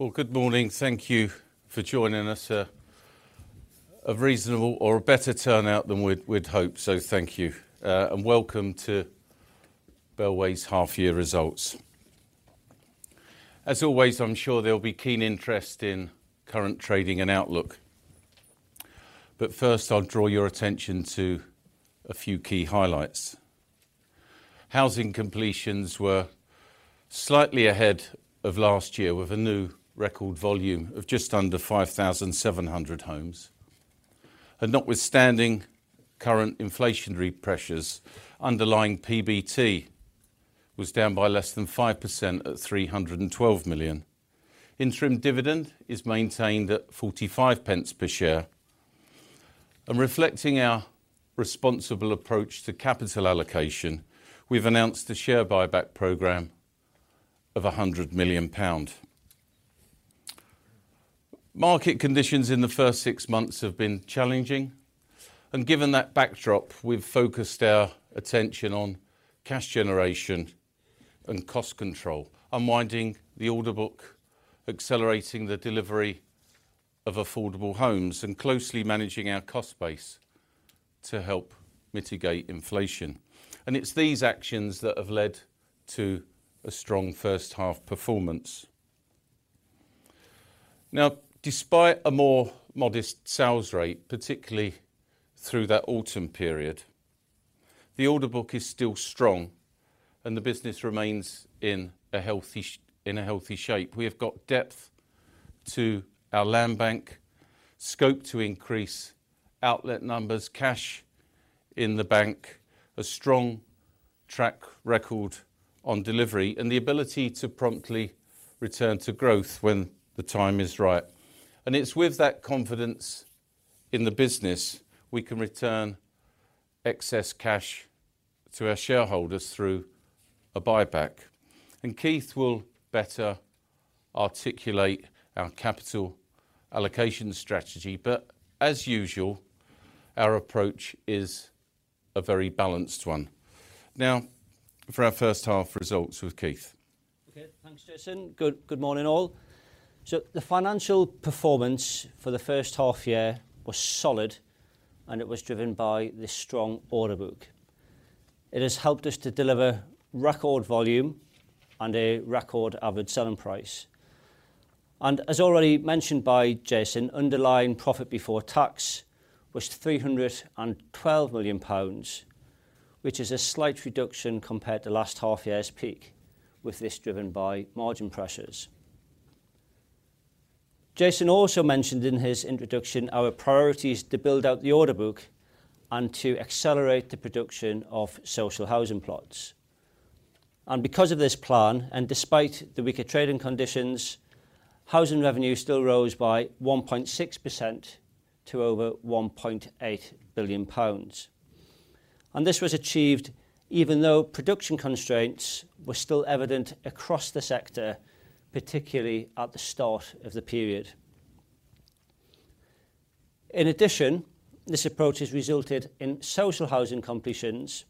Well, good morning. Thank you for joining us. A reasonable or a better turnout than we'd hoped, thank you. Welcome to Bellway's half year results. As always, I'm sure there'll be keen interest in current trading and outlook. First I'll draw your attention to a few key highlights. Housing completions were slightly ahead of last year with a new record volume of just under 5,700 homes. Notwithstanding current inflationary pressures, underlying PBT was down by less than 5% at 312 million. Interim dividend is maintained at 45 pence per share. Reflecting our responsible approach to capital allocation, we've announced a share buyback program of GBP 100 million. Market conditions in the first six months have been challenging and given that backdrop, we've focused our attention on cash generation and cost control, unwinding the order book, accelerating the delivery of affordable homes, and closely managing our cost base to help mitigate inflation. It's these actions that have led to a strong first half performance. Despite a more modest sales rate, particularly through that autumn period, the order book is still strong and the business remains in a healthy shape. We have got depth to our land bank, scope to increase outlet numbers, cash in the bank, a strong track record on delivery, and the ability to promptly return to growth when the time is right. It's with that confidence in the business we can return excess cash to our shareholders through a buyback. Keith will better articulate our capital allocation strategy, but as usual, our approach is a very balanced one. For our first half results with Keith. Okay, thanks, Jason. Good morning all. The financial performance for the first half year was solid. It was driven by the strong order book. It has helped us to deliver record volume and a record average selling price. As already mentioned by Jason, underlying profit before tax was 312 million pounds, which is a slight reduction compared to last half-year's peak, with this driven by margin pressures. Jason also mentioned in his introduction our priorities to build out the order book and to accelerate the production of social housing plots. Because of this plan, and despite the weaker trading conditions, housing revenue still rose by 1.6% to over 1.8 billion pounds. This was achieved even though production constraints were still evident across the sector, particularly at the start of the period. In addition, this approach has resulted in social housing completions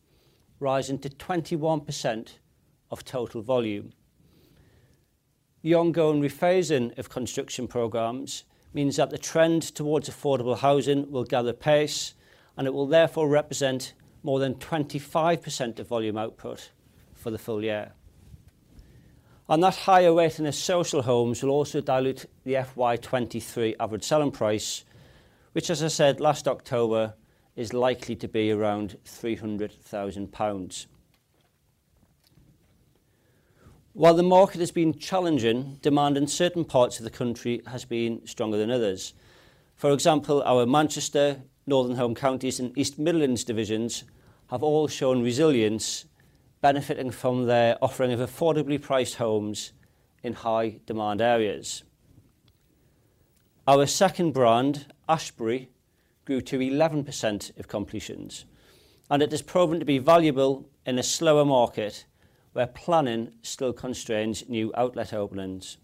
rising to 21% of total volume. The ongoing rephasing of construction programs means that the trend towards affordable housing will gather pace, and it will therefore represent more than 25% of volume output for the full year. That higher weight in the social homes will also dilute the FY23 average selling price, which as I said last October, is likely to be around 300,000 pounds. While the market has been challenging, demand in certain parts of the country has been stronger than others. For example, our Manchester, Northern Home Counties and East Midlands divisions have all shown resilience, benefiting from their offering of affordably priced homes in high demand areas. Our second brand, Ashberry, grew to 11% of completions, and it has proven to be valuable in a slower market where planning still constrains new outlet openings.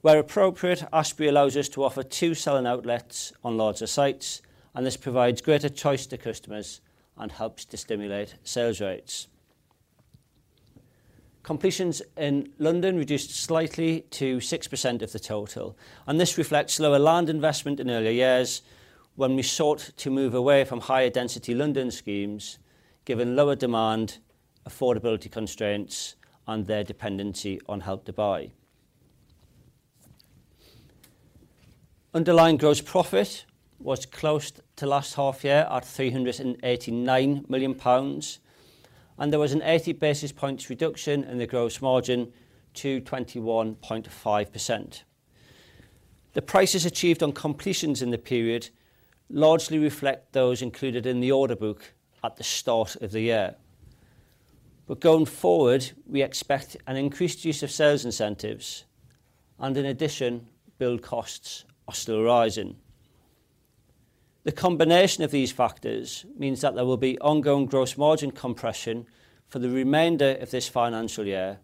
Where appropriate, Ashberry allows us to offer two selling outlets on larger sites, and this provides greater choice to customers and helps to stimulate sales rates. Completions in London reduced slightly to 6% of the total, and this reflects lower land investment in earlier years when we sought to move away from higher density London schemes given lower demand affordability constraints and their dependency on Help to Buy. Underlying gross profit was close to last half year at 389 million pounds, and there was an 80 basis points reduction in the gross margin to 21.5%. The prices achieved on completions in the period largely reflect those included in the order book at the start of the year. Going forward, we expect an increased use of sales incentives and in addition, build costs are still rising. The combination of these factors means that there will be ongoing gross margin compression for the remainder of this financial year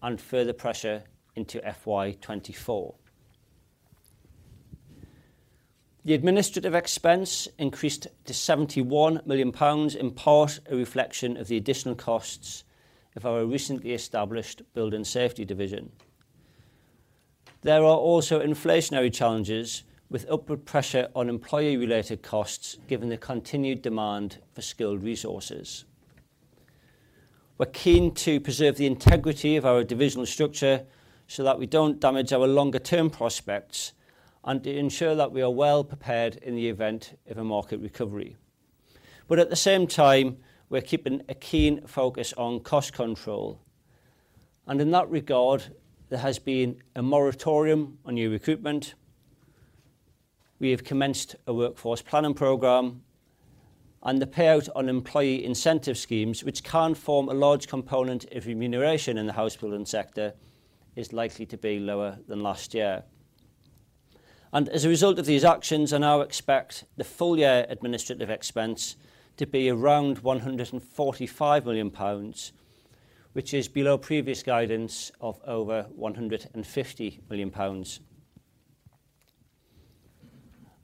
and further pressure into FY24. The administrative expense increased to 71 million pounds, in part a reflection of the additional costs of our recently established building safety division. There are also inflationary challenges with upward pressure on employee related costs, given the continued demand for skilled resources. We're keen to preserve the integrity of our divisional structure so that we don't damage our longer term prospects and to ensure that we are well prepared in the event of a market recovery. At the same time, we are keeping a keen focus on cost control. In that regard, there has been a moratorium on new recruitment. We have commenced a workforce planning program and the payout on employee incentive schemes, which can form a large component of remuneration in the house building sector, is likely to be lower than last year. As a result of these actions, I now expect the full year administrative expense to be around 145 million pounds, which is below previous guidance of over 150 million pounds.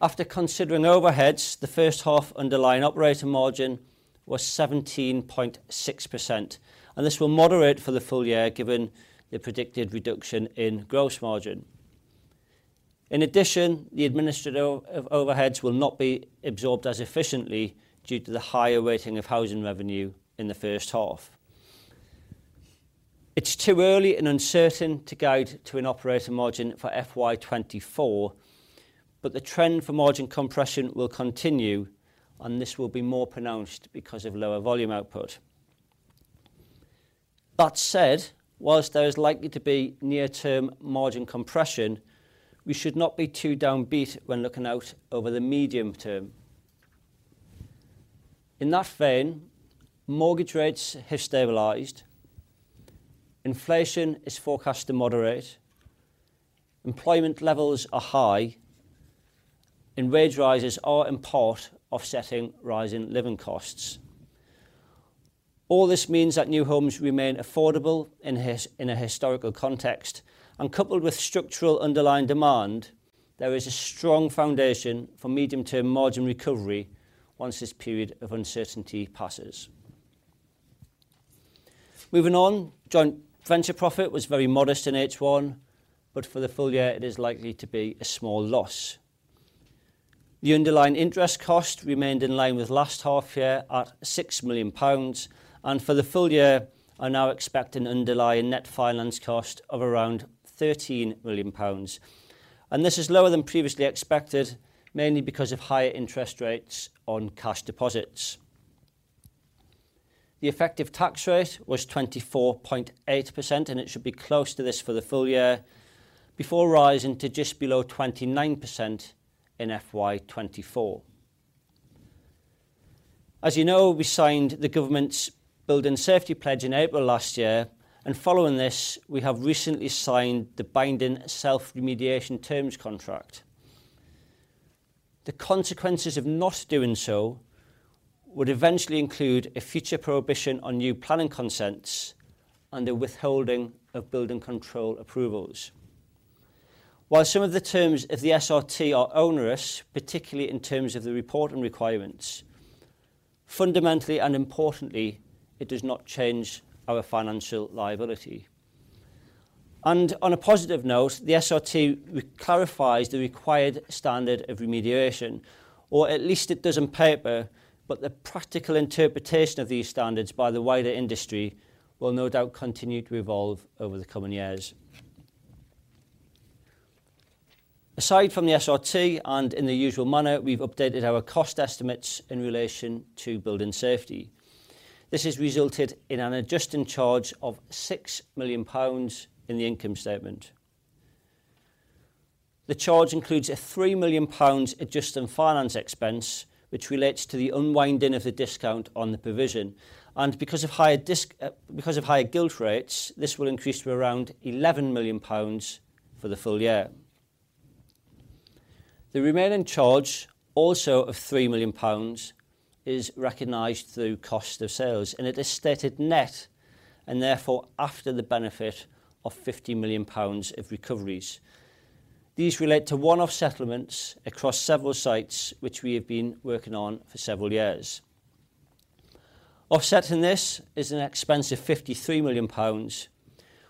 After considering overheads, the first half underlying operating margin was 17.6%, and this will moderate for the full year given the predicted reduction in gross margin. In addition, the administrative overheads will not be absorbed as efficiently due to the higher weighting of housing revenue in the first half. It's too early and uncertain to guide to an operating margin for FY24. The trend for margin compression will continue and this will be more pronounced because of lower volume output. That said, whilst there is likely to be near term margin compression, we should not be too downbeat when looking out over the medium term. In that vein, mortgage rates have stabilized, inflation is forecast to moderate, employment levels are high. Wage rises are in part offsetting rising living costs. All this means that new homes remain affordable in a historical context and coupled with structural underlying demand, there is a strong foundation for medium-term margin recovery once this period of uncertainty passes. Moving on. Joint venture profit was very modest in H1, but for the full year it is likely to be a small loss. The underlying interest cost remained in line with last half year at GBP 6 million. For the Aside from the SRT and in the usual manner, we've updated our cost estimates in relation to building safety. This has resulted in an adjusting charge of 6 million pounds in the income statement. The charge includes a 3 million pounds adjusting finance expense, which relates to the unwinding of the discount on the provision. Because of higher gilt rates, this will increase to around 11 million pounds for the full year. The remaining charge, also of 3 million pounds, is recognized through cost of sales. It is stated net and therefore after the benefit of 50 million pounds of recoveries. These relate to one-off settlements across several sites which we have been working on for several years. Offsetting this is an expense of 53 million pounds,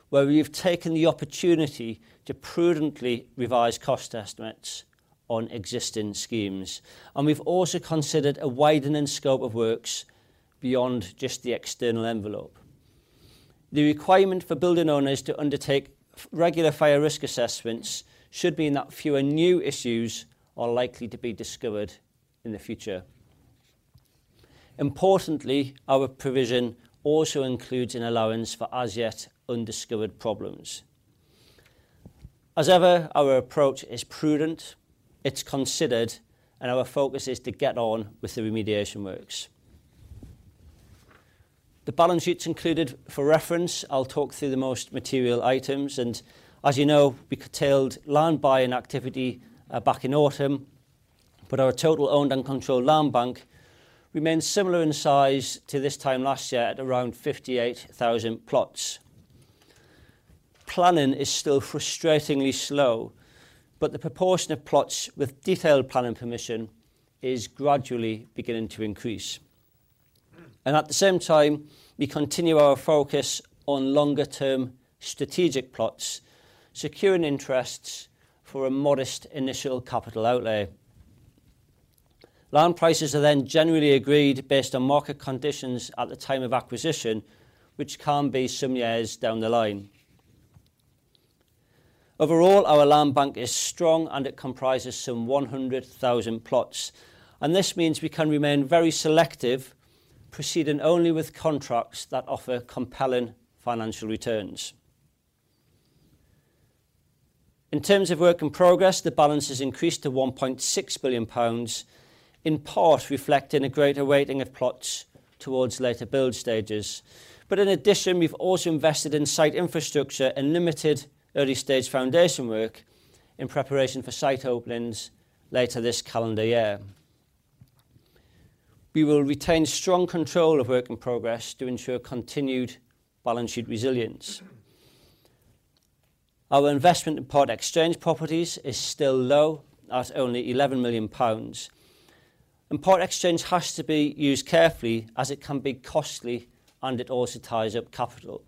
where we have taken the opportunity to prudently revise cost estimates on existing schemes. We've also considered a widening scope of works beyond just the external envelope. The requirement for building owners to undertake regular fire risk assessments should mean that fewer new issues are likely to be discovered in the future. Importantly, our provision also includes an allowance for as yet undiscovered problems. As ever, our approach is prudent, it's considered, and our focus is to get on with the remediation works. The balance sheet's included for reference. I'll talk through the most material items, and as you know, we curtailed land buying activity, back in autumn, but our total owned and controlled land bank remains similar in size to this time last year at around 58,000 plots. Planning is still frustratingly slow, but the proportion of plots with detailed planning permission is gradually beginning to increase. At the same time, we continue our focus on longer term strategic plots, securing interests for a modest initial capital outlay. Land prices are then generally agreed based on market conditions at the time of acquisition, which can be some years down the line. Overall, our land bank is strong, and it comprises some 100,000 plots. This means we can remain very selective, proceeding only with contracts that offer compelling financial returns. In terms of work in progress, the balance has increased to 1.6 billion pounds, in part reflecting a greater weighting of plots towards later build stages. In addition, we've also invested in site infrastructure and limited early stage foundation work in preparation for site openings later this calendar year. We will retain strong control of work in progress to ensure continued balance sheet resilience. Our investment in part exchange properties is still low at only 11 million pounds. Part exchange has to be used carefully as it can be costly and it also ties up capital.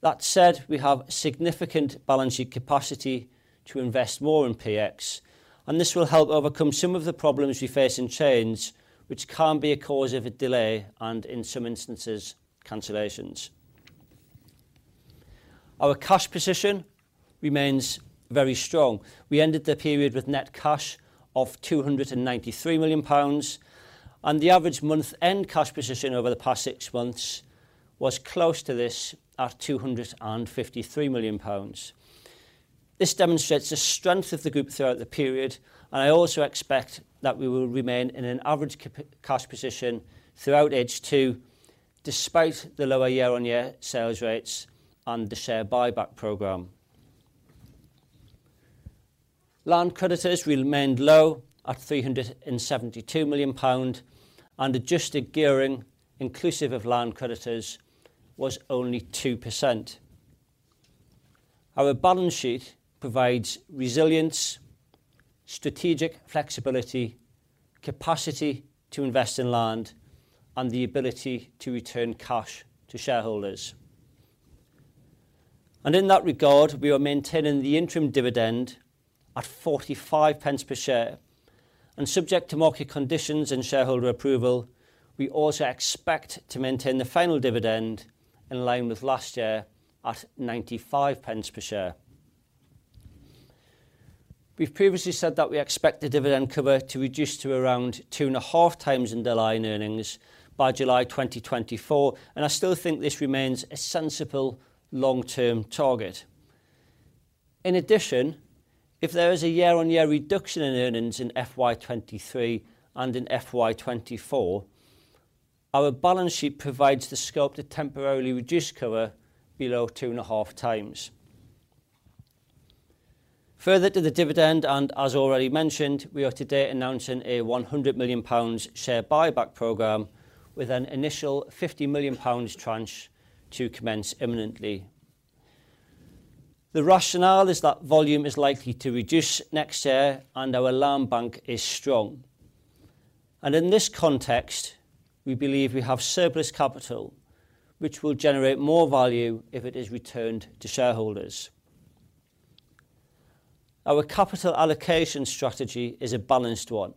That said, we have significant balance sheet capacity to invest more in PX, and this will help overcome some of the problems we face in chains, which can be a cause of a delay and, in some instances, cancellations. Our cash position remains very strong. We ended the period with net cash of 293 million pounds. The average month-end cash position over the past six months was close to this at 253 million pounds. This demonstrates the strength of the group throughout the period. I also expect that we will remain in an average cash position throughout H2, despite the lower year-on-year sales rates and the share buyback program. Land creditors remained low at 372 million pound, and adjusted gearing inclusive of land creditors was only 2%. Our balance sheet provides resilience, strategic flexibility, capacity to invest in land, and the ability to return cash to shareholders. In that regard, we are maintaining the interim dividend at 45 pence per share. Subject to market conditions and shareholder approval, we also expect to maintain the final dividend in line with last year at 95 pence per share. We've previously said that we expect the dividend cover to reduce to around 2.5 times underlying earnings by July 2024, and I still think this remains a sensible long-term target. In addition, if there is a year-on-year reduction in earnings in FY23 and in FY24, our balance sheet provides the scope to temporarily reduce cover below 2.5 times. Further to the dividend, and as already mentioned, we are today announcing a 100 million pounds share buyback program with an initial 50 million pounds tranche to commence imminently. The rationale is that volume is likely to reduce next year and our land bank is strong. In this context, we believe we have surplus capital, which will generate more value if it is returned to shareholders. Our capital allocation strategy is a balanced one.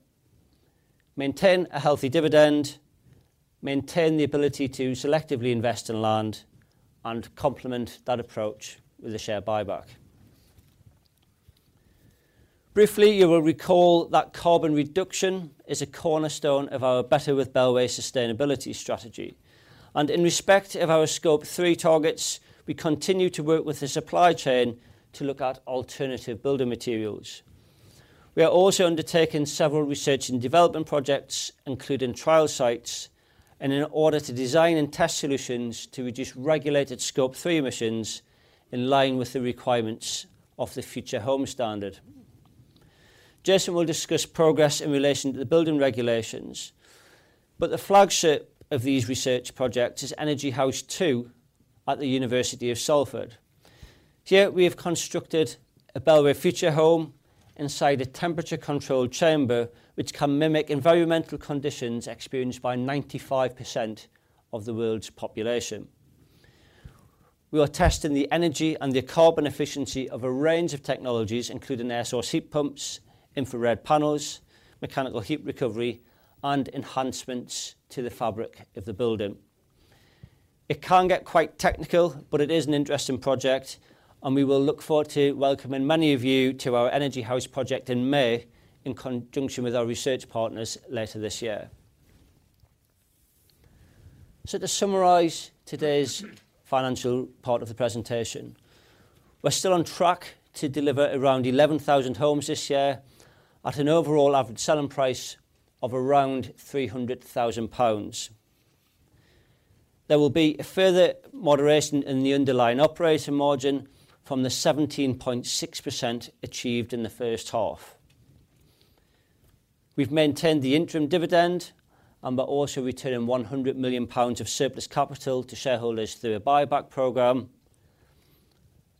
Maintain a healthy dividend, maintain the ability to selectively invest in land, and complement that approach with a share buyback. Briefly, you will recall that carbon reduction is a cornerstone of our Better with Bellway sustainability strategy. In respect of our Scope 3 targets, we continue to work with the supply chain to look at alternative building materials. We are also undertaking several research and development projects, including trial sites, and in order to design and test solutions to reduce regulated Scope 3 emissions in line with the requirements of the Future Homes Standard. Jason will discuss progress in relation to the building regulations. The flagship of these research projects is Energy House 2.0 At the University of Salford. Here, we have constructed a Bellway Future Home inside a temperature-controlled chamber which can mimic environmental conditions experienced by 95% of the world's population. We are testing the energy and the carbon efficiency of a range of technologies, including air source heat pumps, infrared panels, mechanical heat recovery, and enhancements to the fabric of the building. It can get quite technical, but it is an interesting project, and we will look forward to welcoming many of you to our Energy House project in May in conjunction with our research partners later this year. To summarize today's financial part of the presentation, we're still on track to deliver around 11,000 homes this year at an overall average selling price of around 300,000 pounds. There will be a further moderation in the underlying operator margin from the 17.6% achieved in the first half. We've maintained the interim dividend and we're also returning 100 million pounds of surplus capital to shareholders through a buyback program.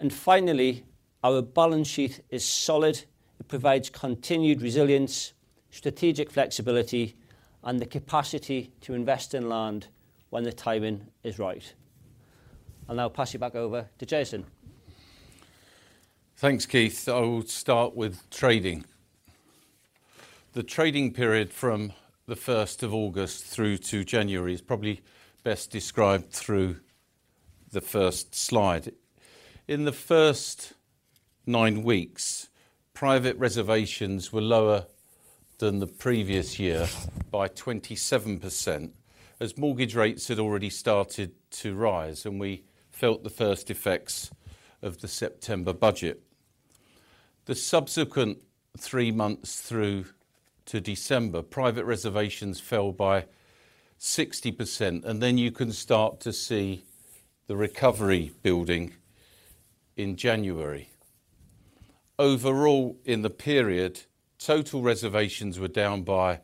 Finally, our balance sheet is solid. It provides continued resilience, strategic flexibility, and the capacity to invest in land when the timing is right. I'll now pass you back over to Jason. Thanks, Keith. I will start with trading. The trading period from the first of August through to January is probably best described through the first slide. In the first nine weeks, private reservations were lower than the previous year by 27%, as mortgage rates had already started to rise, and we felt the first effects of the September budget. The subsequent three months through to December, private reservations fell by 60%, and then you can start to see the recovery building in January. Overall, in the period, total reservations were down by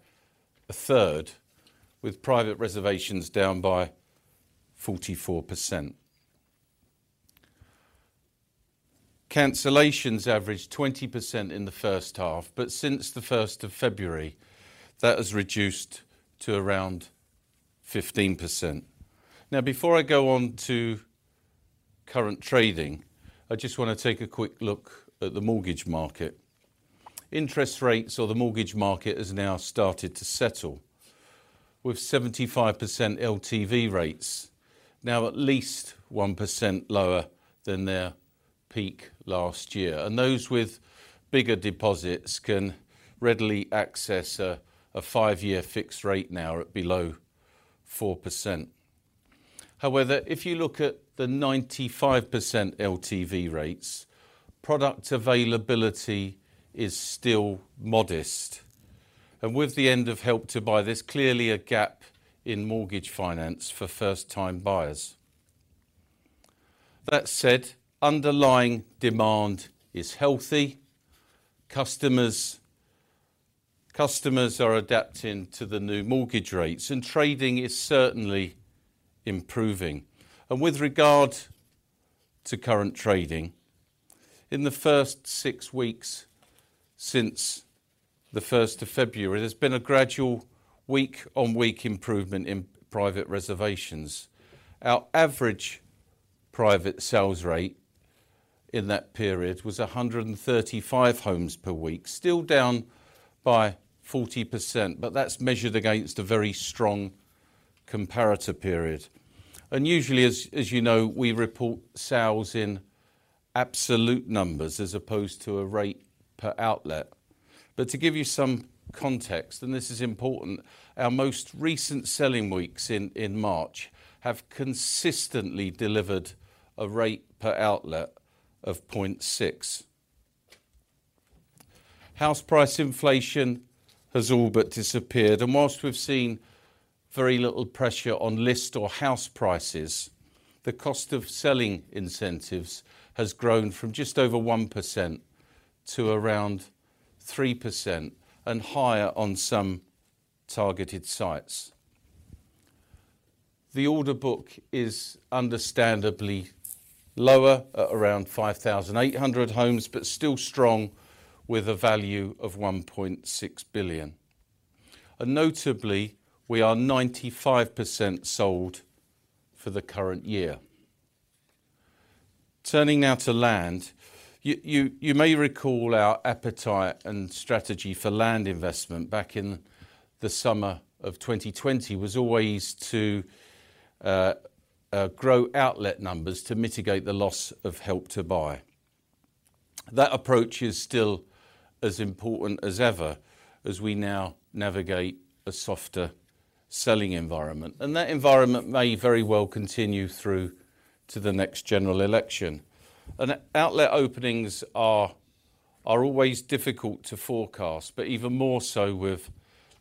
a third, with private reservations down by 44%. Cancellations averaged 20% in the first half, but since the first of February, that has reduced to around 15%. Before I go on to current trading, I just wanna take a quick look at the mortgage market. Interest rates or the mortgage market has now started to settle, with 75% LTV rates now at least 1% lower than their peak last year. Those with bigger deposits can readily access a five-year fixed rate now at below 4%. However, if you look at the 95% LTV rates, product availability is still modest. With the end of Help to Buy, there's clearly a gap in mortgage finance for first time buyers. That said, underlying demand is healthy. Customers are adapting to the new mortgage rates and trading is certainly improving. With regard to current trading, in the first six weeks since the first of February, there's been a gradual week-on-week improvement in private reservations. Our average private sales rate in that period was 135 homes per week, still down by 40%, but that's measured against a very strong comparator period. Usually as you know, we report sales in absolute numbers as opposed to a rate per outlet. To give you some context, and this is important, our most recent selling weeks in March have consistently delivered a rate per outlet of 0.6. House price inflation has all but disappeared, and whilst we've seen very little pressure on list or house prices, the cost of selling incentives has grown from just over 1% to around 3% and higher on some targeted sites. The order book is understandably lower at around 5,800 homes, but still strong with a value of 1.6 billion. Notably, we are 95% sold for the current year. Turning now to land. You may recall our appetite and strategy for land investment back in the summer of 2020 was always to grow outlet numbers to mitigate the loss of Help to Buy. That approach is still as important as ever as we now navigate a softer selling environment, and that environment may very well continue through to the next general election. Outlet openings are always difficult to forecast, but even more so with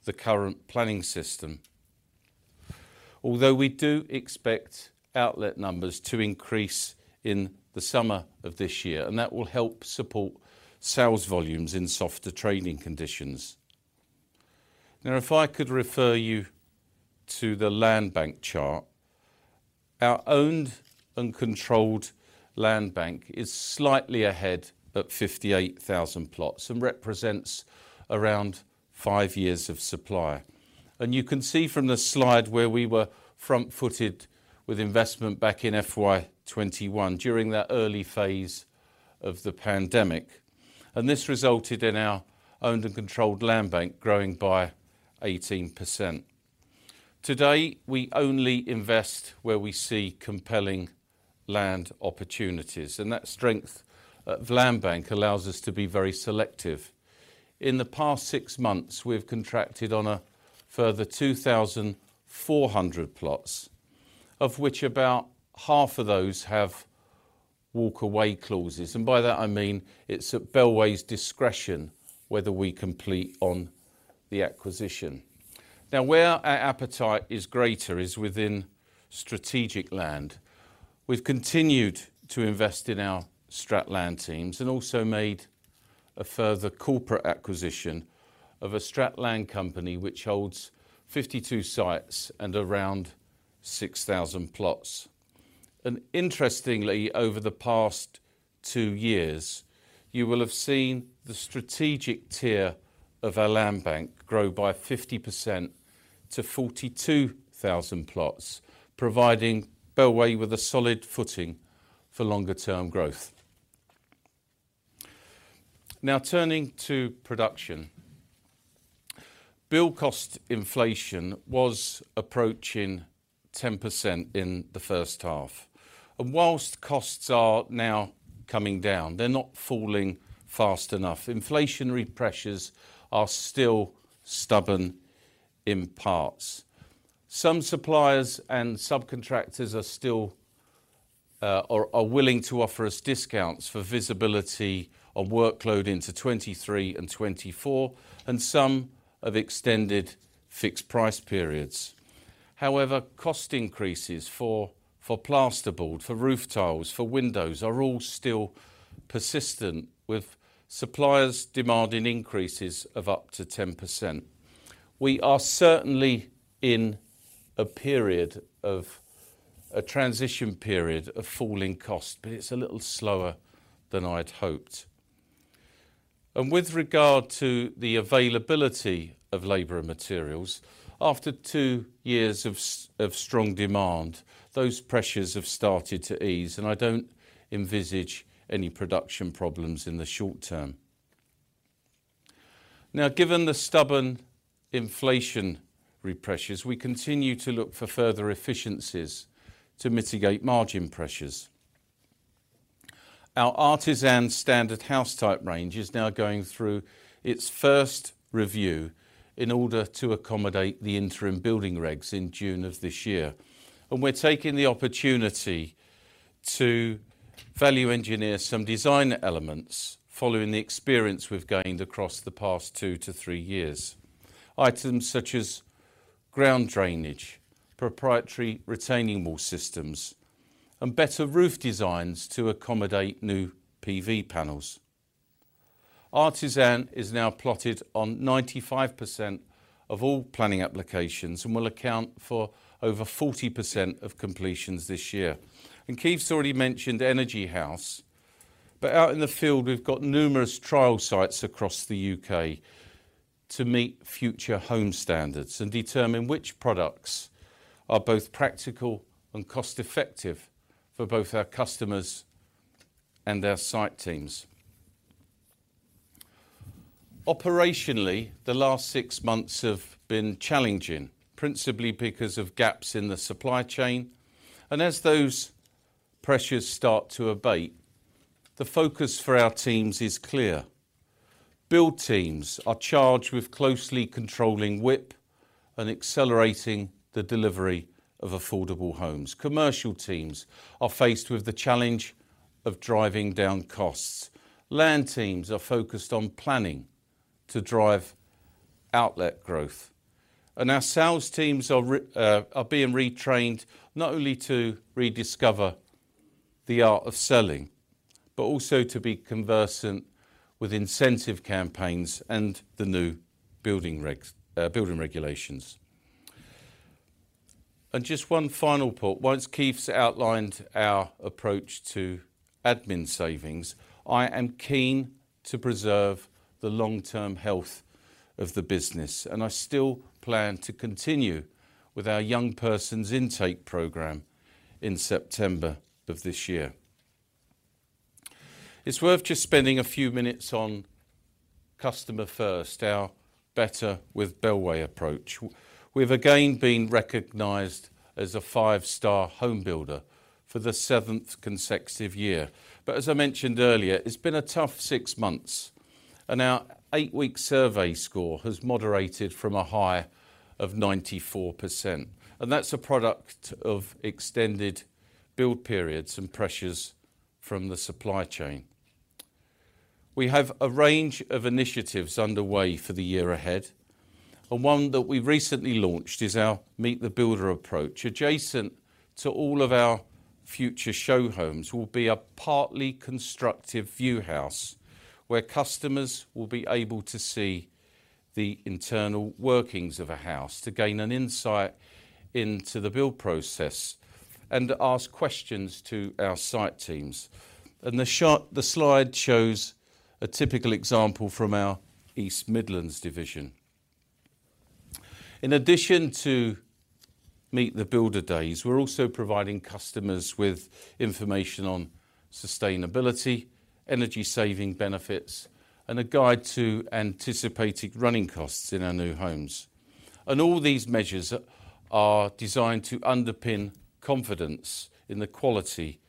the current planning system. Although we do expect outlet numbers to increase in the summer of this year, that will help support sales volumes in softer trading conditions. If I could refer you to the land bank chart. Our owned and controlled land bank is slightly ahead at 58,000 plots and represents around five years of supply. You can see from the slide where we were front-footed with investment back in FY21 during that early phase of the pandemic. This resulted in our owned and controlled land bank growing by 18%. Today, we only invest where we see compelling land opportunities, and that strength of land bank allows us to be very selective. In the past 6 months, we've contracted on a further 2,400 plots, of which about half of those have walk away clauses. By that, I mean it's at Bellway's discretion whether we complete on the acquisition. Where our appetite is greater is within Strategic Land. We've continued to invest in our Strat Land teams and also made a further corporate acquisition of a Strat Land company which holds 52 sites and around 6,000 plots. Interestingly, over the past two years, you will have seen the strategic tier of our land bank grow by 50% to 42,000 plots, providing Bellway with a solid footing for longer-term growth. Turning to production. Build cost inflation was approaching 10% in the H1 and whilst costs are now coming down, they're not falling fast enough. Inflationary pressures are still stubborn in parts. Some suppliers and subcontractors are still willing to offer us discounts for visibility on workload into 2023 and 2024 and some have extended fixed price periods. Cost increases for plasterboard, for roof tiles, for windows are all still persistent with suppliers demanding increases of up to 10%. We are certainly in a period of a transition period of falling cost, but it's a little slower than I'd hoped. With regard to the availability of labor and materials, after two years of strong demand, those pressures have started to ease, and I don't envisage any production problems in the short term. Given the stubborn inflationary pressures, we continue to look for further efficiencies to mitigate margin pressures. Our Artisan standard house type range is now going through its first review in order to accommodate the interim building regs in June of this year. We're taking the opportunity to value engineer some design elements following the experience we've gained across the past two to three years. Items such as ground drainage, proprietary retaining wall systems, and better roof designs to accommodate new PV panels. Artisan is now plotted on 95% of all planning applications and will account for over 40% of completions this year. Keith's already mentioned Energy House, but out in the field, we've got numerous trial sites across the U.K. to meet Future Homes Standard and determine which products are both practical and cost-effective for both our customers and their site teams. As those pressures start to abate, the focus for our teams is clear. Build teams are charged with closely controlling WIP and accelerating the delivery of affordable homes. Commercial teams are faced with the challenge of driving down costs. Land teams are focused on planning to drive outlet growth. Our sales teams are being retrained not only to rediscover the art of selling, but also to be conversant with incentive campaigns and the new building regs, building regulations. Just one final point. Whilst Keith's outlined our approach to admin savings, I am keen to preserve the long-term health of the business, and I still plan to continue with our Young Person's Intake Program in September of this year. It's worth just spending a few minutes on customer first, our Better with Bellway approach. We've again been recognized as a five-star home builder for the seventh consecutive year. As I mentioned earlier, it's been a tough six months, and our eight-week survey score has moderated from a high of 94%, and that's a product of extended build periods and pressures from the supply chain. We have a range of initiatives underway for the year ahead. One that we recently launched is our Meet the Builder approach. Adjacent to all of our future show homes will be a partly constructive view house where customers will be able to see the internal workings of a house to gain an insight into the build process and ask questions to our site teams. The slide shows a typical example from our East Midlands division. In addition to Meet the Builder days, we're also providing customers with information on sustainability, energy saving benefits, and a guide to anticipated running costs in our new homes. All these measures are designed to underpin confidence in the quality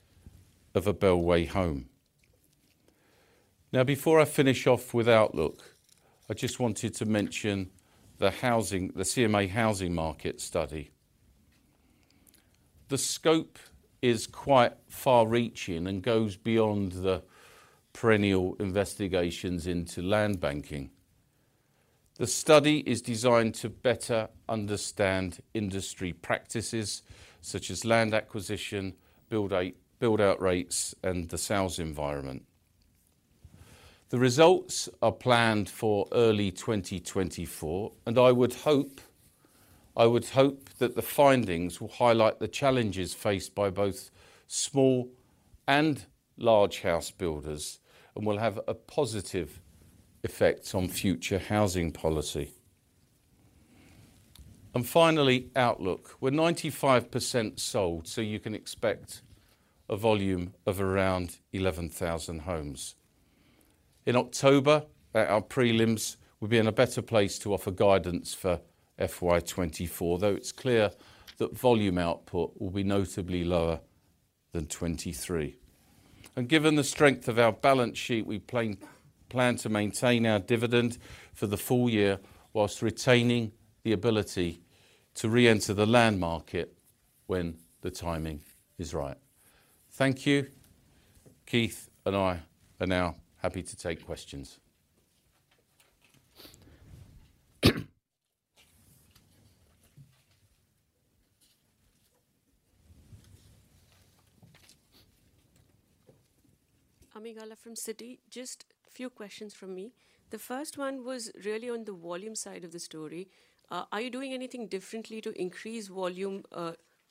of a Bellway home. Now before I finish off with outlook, I just wanted to mention the CMA housing market study. The scope is quite far-reaching and goes beyond the perennial investigations into land banking. The study is designed to better understand industry practices such as land acquisition, build-out rates, and the sales environment. The results are planned for early 2024, and I would hope that the findings will highlight the challenges faced by both small and large house builders and will have a positive effect on future housing policy. Finally, outlook. We're 95% sold, so you can expect a volume of around 11,000 homes. In October, at our prelims, we'll be in a better place to offer guidance for FY24, though it's clear that volume output will be notably lower than FY23. Given the strength of our balance sheet, we plan to maintain our dividend for the full year while retaining the ability to re-enter the land market when the timing is right. Thank you. Keith and I are now happy to take questions. Ami Galla from Citi. Just few questions from me. The first one was really on the volume side of the story. Are you doing anything differently to increase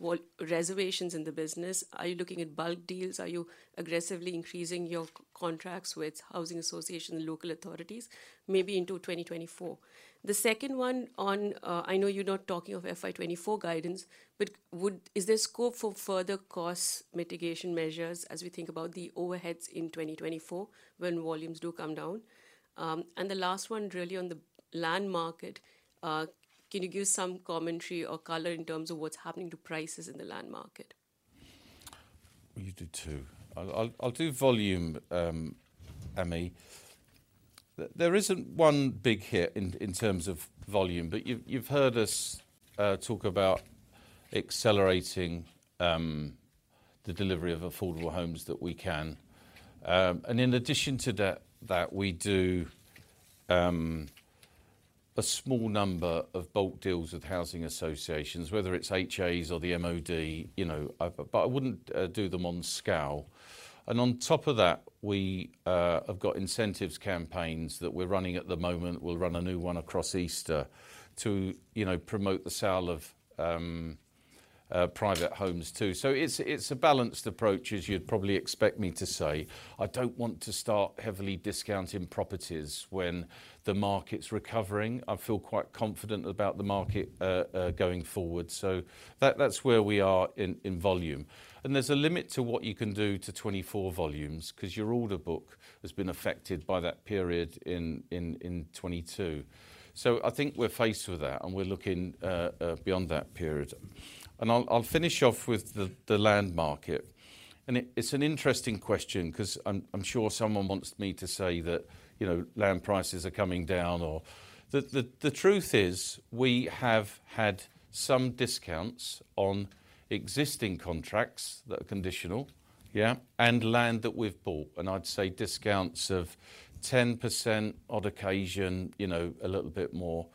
volume, reservations in the business? Are you looking at bulk deals? Are you aggressively increasing your contracts with Housing Association local authorities, maybe into 2024? The second one on, I know you're not talking of FY24 guidance, is there scope for further cost mitigation measures as we think about the overheads in 2024 when volumes do come down? The last one really on the land market, can you give some commentary or color in terms of what's happening to prices in the land market? You do two. I'll do volume, Ami. There isn't one big hit in terms of volume, but you've heard us talk about accelerating the delivery of affordable homes that we can. In addition to that we do a small number of bulk deals with housing associations, whether it's HAs or the MOD, you know, but I wouldn't do them on scow. On top of that, we have got incentives campaigns that we're running at the moment. We'll run a new one across Easter to, you know, promote the sale of private homes too. It's a balanced approach, as you'd probably expect me to say. I don't want to start heavily discounting properties when the market's recovering. I feel quite confident about the market going forward. That's where we are in volume. There's a limit to what you can do to 24 volumes because your order book has been affected by that period in 2022. I think we're faced with that, and we're looking beyond that period. I'll finish off with the land market. It's an interesting question because I'm sure someone wants me to say that, you know, land prices are coming down or. The truth is we have had some discounts on existing contracts that are conditional, yeah, and land that we've bought, and I'd say discounts of 10% on occasion, you know, a little bit more.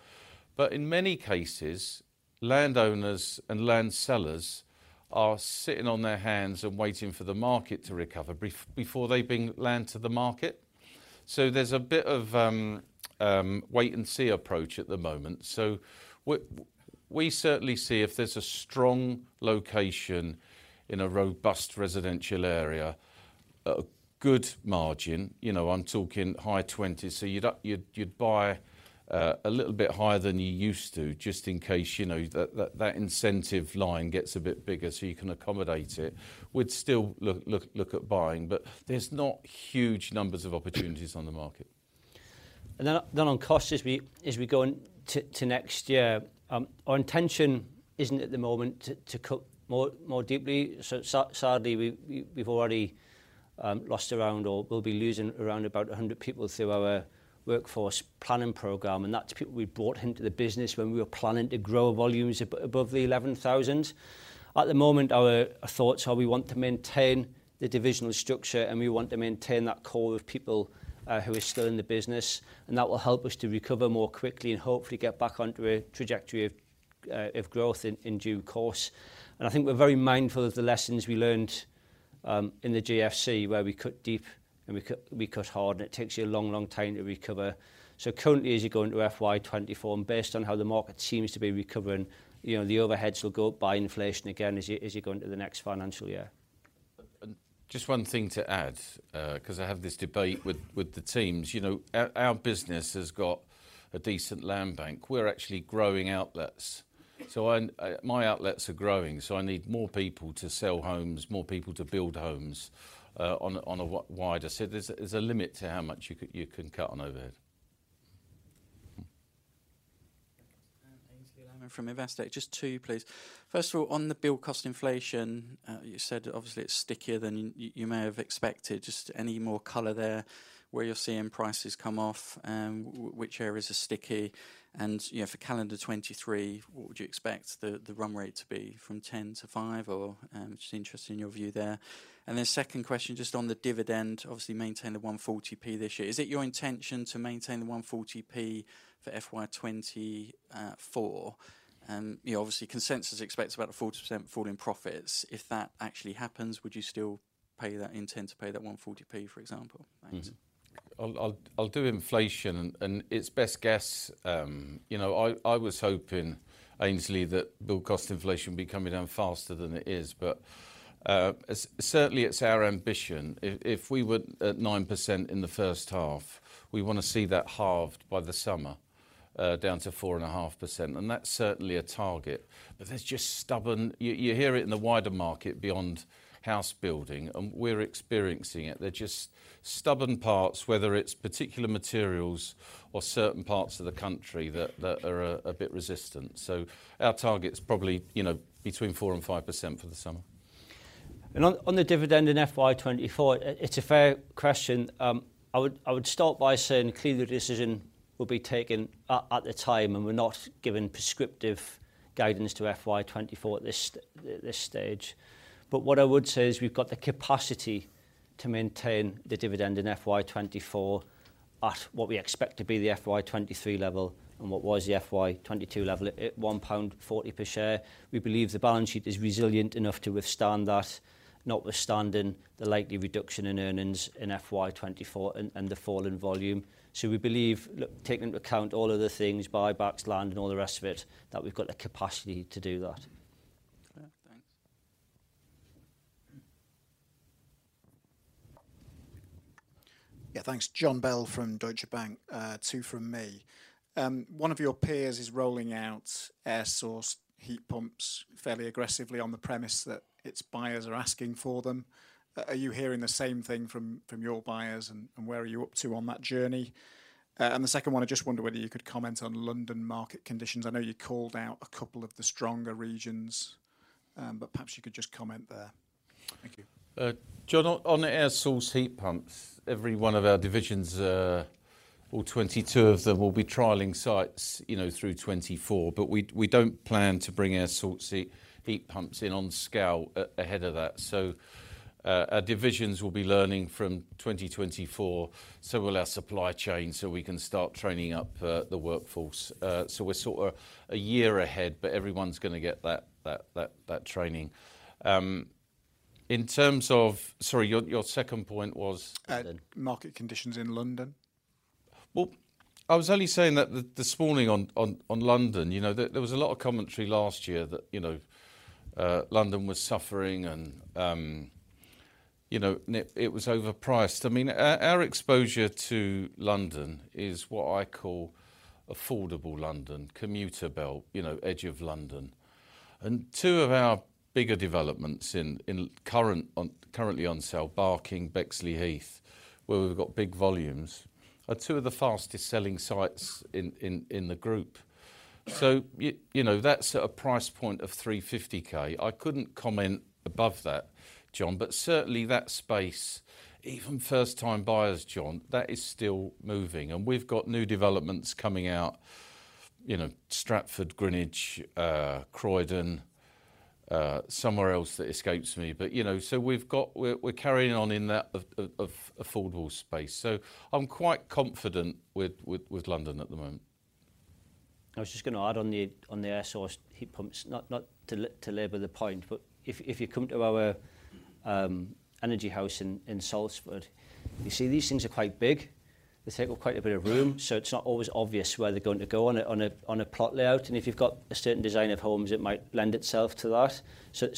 In many cases, landowners and land sellers are sitting on their hands and waiting for the market to recover before they bring land to the market. There's a bit of wait and see approach at the moment. We certainly see if there's a strong location in a robust residential area, a good margin, you know, I'm talking high twenties. You'd buy a little bit higher than you used to just in case, you know, that incentive line gets a bit bigger, so you can accommodate it. We'd still look at buying. There's not huge numbers of opportunities on the market. On costs as we go in to next year, our intention isn't at the moment to cut more deeply. Sadly, we've already lost around or will be losing around about 100 people through our workforce planning program, and that's people we brought into the business when we were planning to grow volumes above the 11,000. At the moment, our thoughts are we want to maintain the divisional structure, and we want to maintain that core of people who are still in the business, and that will help us to recover more quickly and hopefully get back onto a trajectory of growth in due course. I think we're very mindful of the lessons we learned in the GFC, where we cut deep and we cut hard, and it takes you a long, long time to recover. Currently, as you go into FY24, and based on how the market seems to be recovering, you know, the overheads will go up by inflation again as you go into the next financial year. Just one thing to add, 'cause I have this debate with the teams. You know, our business has got a decent land bank. We're actually growing outlets. My outlets are growing, so I need more people to sell homes, more people to build homes on a wider... There's a limit to how much you can cut on overhead. I'm from Investec. Just two, please. First of all, on the build cost inflation, you said obviously it's stickier than you may have expected. Just any more color there, where you're seeing prices come off, which areas are sticky? You know, for calendar 2023, what would you expect the run rate to be, from 10% to 5% or just interested in your view there. Second question, just on the dividend, obviously maintained at 140p this year. Is it your intention to maintain the 140p for FY24? You know, obviously, consensus expects about a 40% fall in profits. If that actually happens, would you still pay that intent to pay that 140p, for example? Thanks. I'll do inflation and it's best guess. You know, I was hoping, Ainsdale, that build cost inflation would be coming down faster than it is. Certainly it's our ambition. If we were at 9% in the first half, we wanna see that halved by the summer, down to 4.5%, and that's certainly a target. You hear it in the wider market beyond house building, and we're experiencing it. They're just stubborn parts, whether it's particular materials or certain parts of the country that are a bit resistant. Our target is probably, you know, between 4%-5% for the summer. On the dividend in FY24, it's a fair question. I would start by saying clearly the decision will be taken at the time, we're not giving prescriptive guidance to FY24 at this stage. What I would say is we've got the capacity to maintain the dividend in FY24 at what we expect to be the FY23 level and what was the FY22 level at 1.40 pound per share. We believe the balance sheet is resilient enough to withstand that, notwithstanding the likely reduction in earnings in FY24 and the fall in volume. We believe, look, taking into account all of the things, buybacks, land and all the rest of it, that we've got the capacity to do that. Yeah. Thanks. Yeah, thanks. Jon Bell from Deutsche Bank. Two from me. One of your peers is rolling out air source heat pumps fairly aggressively on the premise that its buyers are asking for them. Are you hearing the same thing from your buyers? Where are you up to on that journey? The second one, I just wonder whether you could comment on London market conditions. I know you called out a couple of the stronger regions, perhaps you could just comment there. Thank you. Jon, on the air source heat pumps, every one of our divisions, all 22 of them will be trialing sites, you know, through 2024. We don't plan to bring air source heat pumps in on scale ahead of that. Our divisions will be learning from 2024, so will our supply chain, so we can start training up the workforce. We're sorta a year ahead, but everyone's gonna get that training. In terms of... Sorry, your second point was? Market conditions in London. Well, I was only saying that this morning on London. You know, there was a lot of commentary last year that, you know, London was suffering and, you know, it was overpriced. I mean, our exposure to London is what I call affordable London, commuter belt, you know, edge of London. Two of our bigger developments currently on sale, Barking, Bexleyheath, where we've got big volumes, are two of the fastest selling sites in the group. You know, that's at a price point of 350K. I couldn't comment above that, Jon. Certainly that space, even first time buyers, Jon, that is still moving. We've got new developments coming out, you know, Stratford, Greenwich, Croydon, somewhere else that escapes me. You know, we're carrying on in that affordable space. I'm quite confident with London at the moment. I was just gonna add on the air source heat pumps, not to labor the point, but if you come to our Energy House in Salford, you see these things are quite big. They take up quite a bit of room, so it's not always obvious where they're going to go on a plot layout. If you've got a certain design of homes, it might lend itself to that.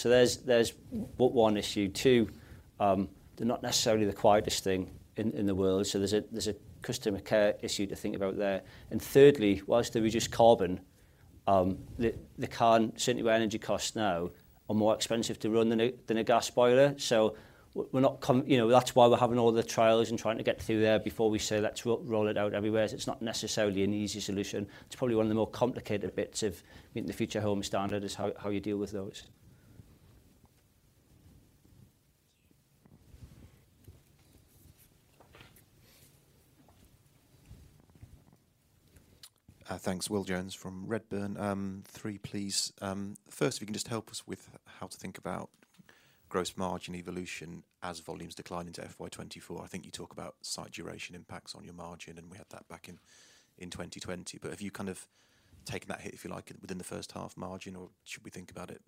There's one issue. Two, they're not necessarily the quietest thing in the world, so there's a customer care issue to think about there. Thirdly, whilst they reduce carbon, they can certainly where energy costs now are more expensive to run than a gas boiler. You know, that's why we're having all the trials and trying to get through there before we say, "Let's roll it out everywhere." It's not necessarily an easy solution. It's probably one of the more complicated bits of meeting the Future Homes Standard, is how you deal with those. Thanks. Will Jones from Redburn. Three, please. First, if you can just help us with how to think about gross margin evolution as volumes decline into FY24. I think you talk about site duration impacts on your margin, and we had that back in 2020. Have you kind of taken that hit, if you like, within the first half margin, or should we think about it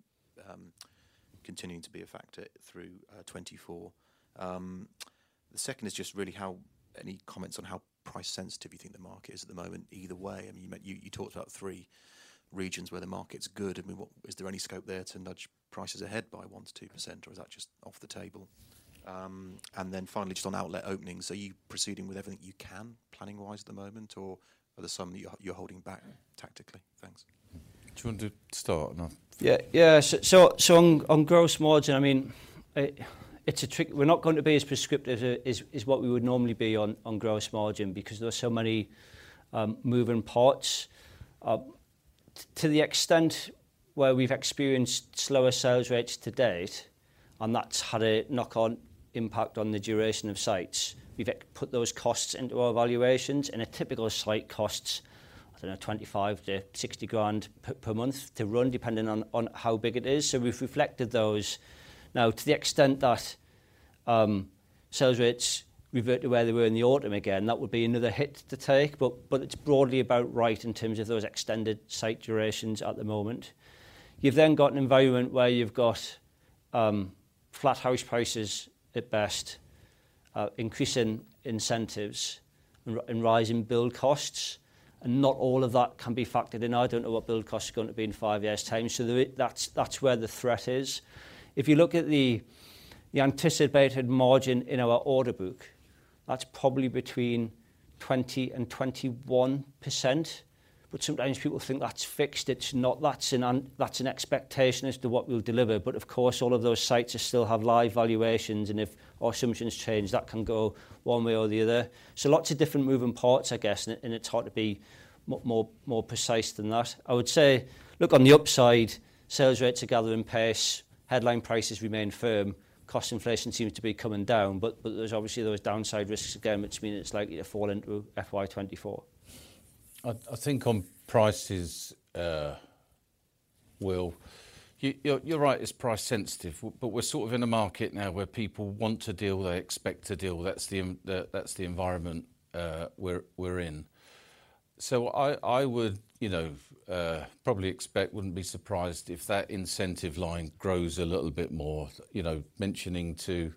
continuing to be a factor through 2024? The second is just really how any comments on how price sensitive you think the market is at the moment either way. I mean, you talked about three regions where the market's good. I mean, is there any scope there to nudge prices ahead by 1%-2%, or is that just off the table? Finally, just on outlet openings, are you proceeding with everything you can planning-wise at the moment, or are there some you're holding back tactically? Thanks. Do you want to Start? No. Yeah. On gross margin, I mean, it's a trick. We're not going to be as prescriptive as what we would normally be on gross margin because there are so many moving parts. To the extent where we've experienced slower sales rates to date, and that's had a knock-on impact on the duration of sites. We've put those costs into our valuations, and a typical site costs, I don't know, 25,000 to 60,000 per month to run, depending on how big it is. We've reflected those. Now, to the extent that sales rates revert to where they were in the autumn again, that would be another hit to take, but it's broadly about right in terms of those extended site durations at the moment. You've got an environment where you've got flat house prices at best, increasing incentives and rising build costs, and not all of that can be factored in. I don't know what build costs are gonna be in five years' time. That's where the threat is. If you look at the anticipated margin in our order book, that's probably between 20% and 21%. Sometimes people think that's fixed. It's not. That's an expectation as to what we'll deliver. Of course, all of those sites still have live valuations, and if our assumptions change, that can go one way or the other. Lots of different moving parts, I guess, and it's hard to be more precise than that. I would say, look, on the upside, sales rates are gathering pace, headline prices remain firm, cost inflation seems to be coming down, but there's obviously those downside risks again, which mean it's likely to fall into FY24. I think on prices, Will, you're right, it's price sensitive, but we're sort of in a market now where people want to deal, they expect to deal. That's the environment we're in. I would, you know, probably expect, wouldn't be surprised if that incentive line grows a little bit more. You know, mentioning to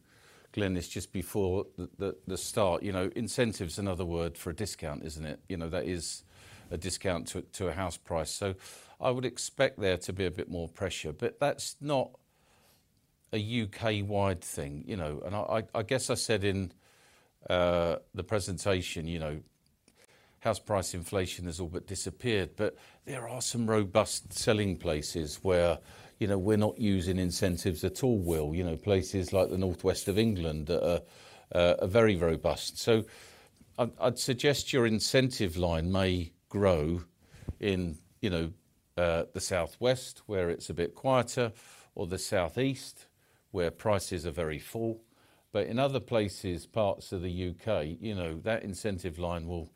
Glynis this just before the start. You know, incentive's another word for a discount, isn't it? You know, that is a discount to a house price. I would expect there to be a bit more pressure, but that's not a U.K.-wide thing, you know. I guess I said in the presentation, you know, house price inflation has all but disappeared. There are some robust selling places where, you know, we're not using incentives at all, Will. You know, places like the northwest of England that are very robust. I'd suggest your incentive line may grow in, you know, the southwest, where it's a bit quieter, or the southeast, where prices are very full. In other places, parts of the U.K., you know, that incentive line will.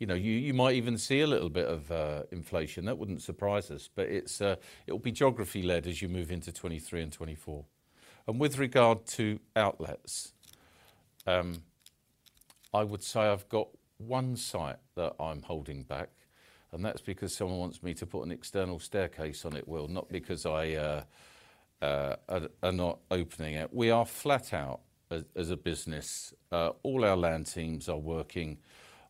You know, you might even see a little bit of inflation. That wouldn't surprise us. It'll be geography-led as you move into 2023 and 2024. With regard to outlets, I would say I've got one site that I'm holding back, and that's because someone wants me to put an external staircase on it, Will. Not because I are not opening it. We are flat out as a business. All our land teams are working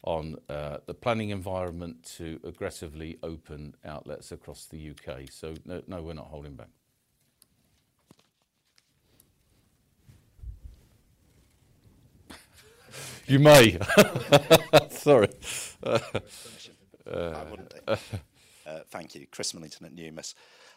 on the planning environment to aggressively open outlets across the U.K. No, we're not holding back. You may. Sorry. Why wouldn't they? Thank you. Chris Millington at Numis.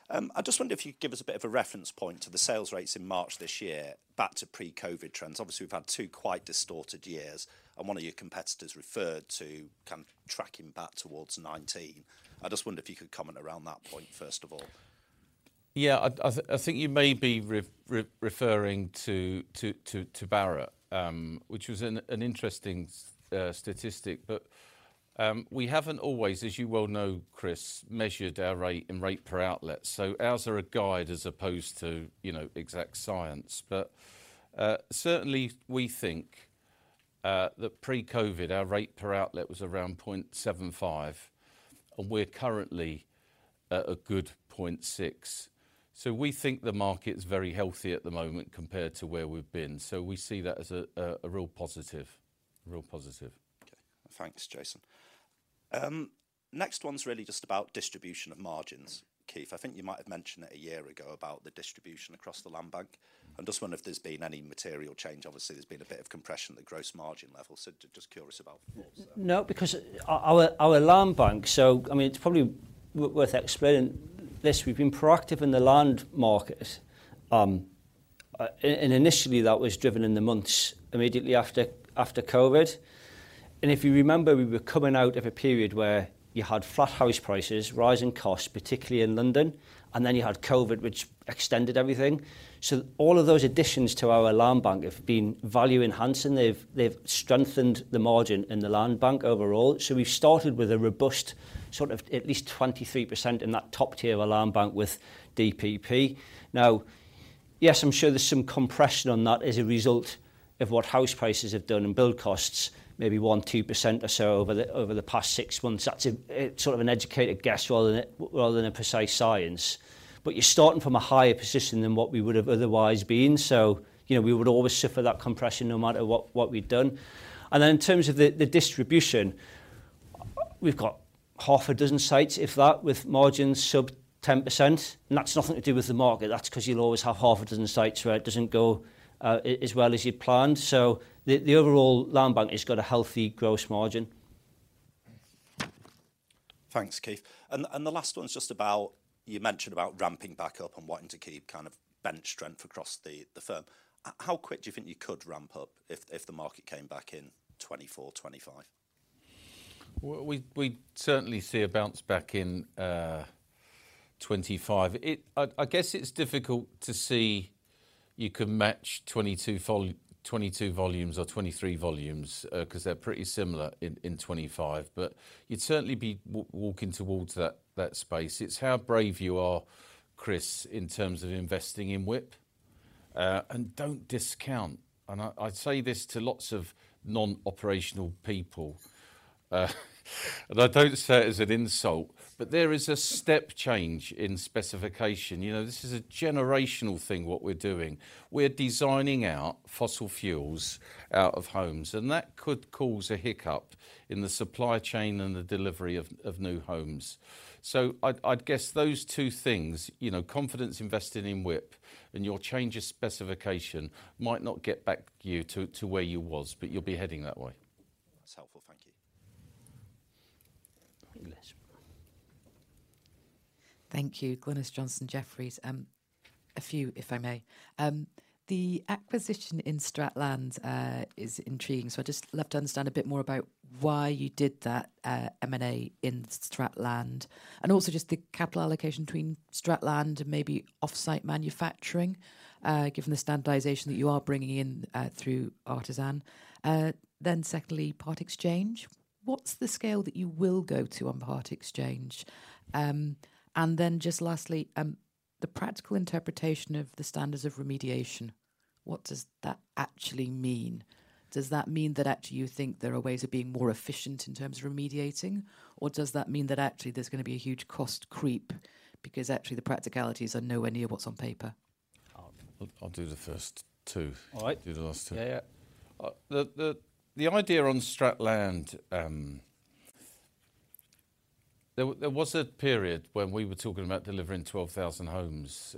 I just wonder if you could give us a bit of a reference point to the sales rates in March this year, back to pre-COVID trends. Obviously, we've had two quite distorted years, and one of your competitors referred to kind of tracking back towards 2019. I just wonder if you could comment around that point, first of all. I think you may be referring to Barratt, which was an interesting statistic. We haven't always, as you well know, Chris, measured our rate in rate per outlet. Ours are a guide as opposed to, you know, exact science. Certainly we think that pre-COVID, our rate per outlet was around 0.75, and we're currently at a good 0.6. We think the market is very healthy at the moment compared to where we've been. We see that as a real positive, a real positive. Okay. Thanks, Jason. next one's really just about distribution of margins. Keith, I think you might have mentioned it a year ago about the distribution across the land bank. I just wonder if there's been any material change. Obviously, there's been a bit of compression at the gross margin level. just curious about the thoughts there. No, because our land bank. I mean, it's probably worth explaining this. We've been proactive in the land market, and initially, that was driven in the months immediately after COVID. If you remember, we were coming out of a period where you had flat house prices, rising costs, particularly in London, and then you had COVID, which extended everything. All of those additions to our land bank have been value enhancing. They've strengthened the margin in the land bank overall. We've started with a robust, sort of at least 23% in that top tier of our land bank with DPP. Now, yes, I'm sure there's some compression on that as a result of what house prices have done and build costs, maybe 1%-2% or so over the past six months. That's a sort of an educated guess rather than, rather than a precise science. You're starting from a higher position than what we would have otherwise been. You know, we would always suffer that compression no matter what we'd done. In terms of the distribution, we've got half a dozen sites, if that, with margins sub 10%. That's nothing to do with the market. That's 'cause you'll always have half a dozen sites where it doesn't go as well as you'd planned. So the overall land bank has got a healthy gross margin. Thanks, Keith. The last one's just about, you mentioned about ramping back up and wanting to keep kind of bench strength across the firm. How quick do you think you could ramp up if the market came back in 2024, 2025? We'd certainly see a bounce back in 2025. I guess it's difficult to see you can match 22 volumes or 23 volumes, 'cause they're pretty similar in 2025. You'd certainly be walking towards that space. It's how brave you are, Chris, in terms of investing in WIP. Don't discount, and I say this to lots of non-operational people, and I don't say it as an insult, but there is a step change in specification. You know, this is a generational thing, what we're doing. We're designing out fossil fuels out of homes, and that could cause a hiccup in the supply chain and the delivery of new homes. I'd guess those two things, you know, confidence investing in WIP and your change of specification might not get back you to where you was, but you'll be heading that way. That's helpful. Thank you. Glynis. Thank you. Glynis Johnson, Jefferies. A few if I may. The acquisition in Strat Land is intriguing, so I'd just love to understand a bit more about why you did that M&A in Strat Land. Also just the capital allocation between Strat Land and maybe offsite manufacturing, given the standardization that you are bringing in through Artisan. Secondly, part exchange. What's the scale that you will go to on part exchange? Just lastly, the practical interpretation of the standards of remediation, what does that actually mean? Does that mean that actually you think there are ways of being more efficient in terms of remediating, or does that mean that actually there's gonna be a huge cost creep because actually the practicalities are nowhere near what's on paper? I'll do the first two. All right. You do the last two. Yeah, yeah. The idea on Stratland, there was a period when we were talking about delivering 12,000 homes,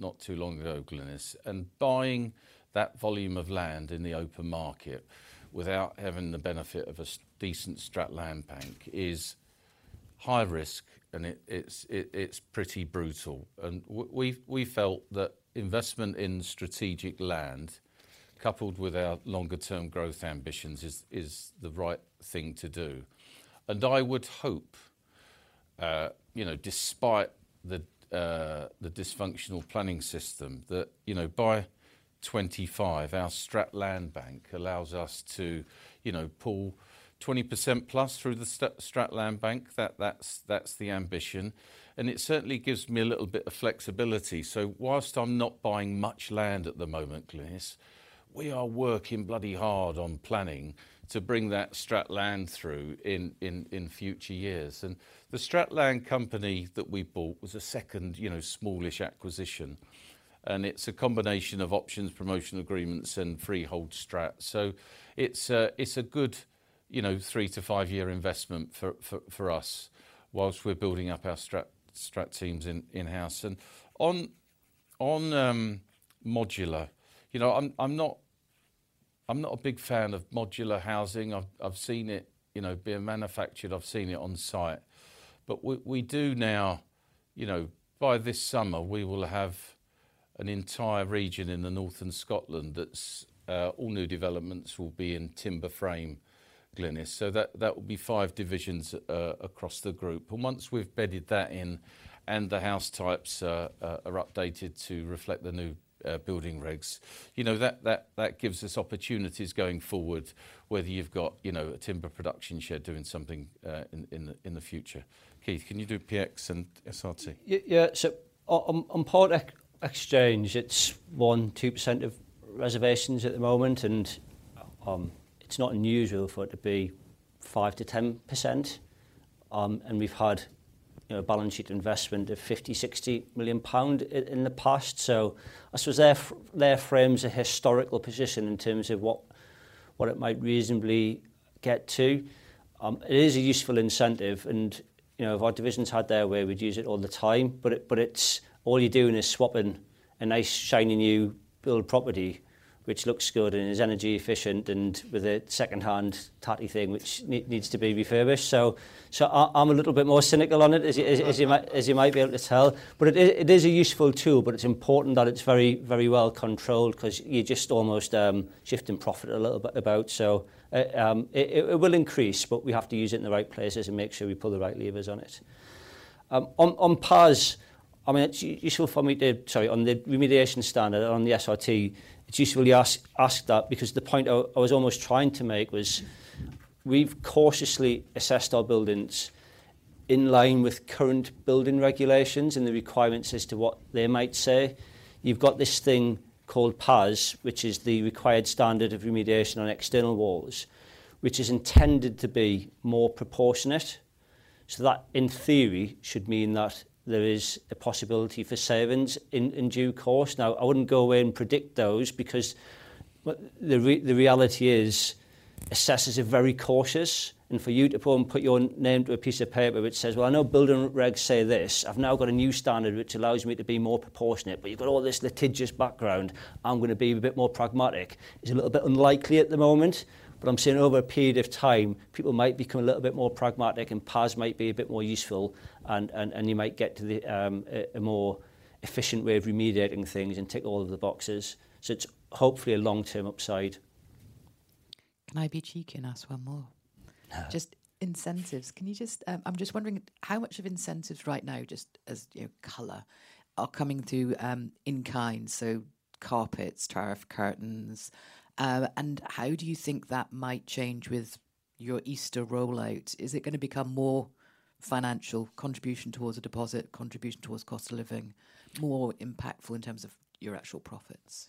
not too long ago, Glynis. Buying that volume of land in the open market without having the benefit of a decent Strat land bank is high risk, and it's pretty brutal. We felt that investment in Strategic Land, coupled with our longer term growth ambitions is the right thing to do. I would hope, despite the dysfunctional planning system that by 2025 our Strat land bank allows us to pull 20% plus through the Strat land bank. That's the ambition. It certainly gives me a little bit of flexibility. Whilst I'm not buying much land at the moment, Glynis, we are working bloody hard on planning to bring that Strategic Land through in future years. The Stratland company that we bought was a second, you know, smallish acquisition, and it's a combination of options, promotion agreements and freehold Strategic Land. It's a good, you know, three to five year investment for us whilst we're building up our Strategic Land teams in-house. On modular. You know, I'm not a big fan of modular housing. I've seen it, you know, being manufactured. I've seen it on site. We do now, you know, by this summer we will have an entire region in the north in Scotland that's all new developments will be in timber frame, Glynis. That, that will be five divisions across the group. Once we've bedded that in and the house types are updated to reflect the new building regs, you know, that gives us opportunities going forward, whether you've got, you know, a timber production shed doing something in the future. Keith, can you do PX and SRT? Yeah. On part exchange, it's 1%-2% of reservations at the moment, and it's not unusual for it to be 5%-10%. And we've had, you know, a balance sheet investment of 50 million-60 million pound in the past. I suppose their frame's a historical position in terms of what it might reasonably get to. It is a useful incentive and, you know, if our divisions had their way, we'd use it all the time. But it's all you're doing is swapping a nice, shiny new build property which looks good and is energy efficient and with a secondhand tatty thing which needs to be refurbished. I'm a little bit more cynical on it, as you might be able to tell. It is a useful tool, but it's important that it's very well controlled 'cause you're just almost shifting profit a little bit about. It will increase, but we have to use it in the right places and make sure we pull the right levers on it. On PAS, I mean, it's useful for me to. Sorry. On the remediation standard, on the SRT, it's useful you ask that because the point I was almost trying to make was we've cautiously assessed our buildings in line with current building regulations and the requirements as to what they might say. You've got this thing called PAS, which is the Required Standard of Remediation on External Walls, which is intended to be more proportionate. That, in theory, should mean that there is a possibility for savings in due course. I wouldn't go away and predict those because the reality is Assessors are very cautious, and for you to go and put your name to a piece of paper which says, "Well, I know building regs say this. I've now got a new standard, which allows me to be more proportionate, but you've got all this litigious background. I'm gonna be a bit more pragmatic." It's a little bit unlikely at the moment, but I'm saying over a period of time, people might become a little bit more pragmatic and PAS might be a bit more useful and you might get to the a more efficient way of remediating things and tick all of the boxes. It's hopefully a long-term upside. Can I be cheeky and ask one more? No. Just incentives. Can you just, I'm just wondering how much of incentives right now, just as, you know, color are coming through, in kind? Carpets, tariff, curtains, and how do you think that might change with your Easter rollout? Is it gonna become more financial contribution towards a deposit, contribution towards cost of living, more impactful in terms of your actual profits?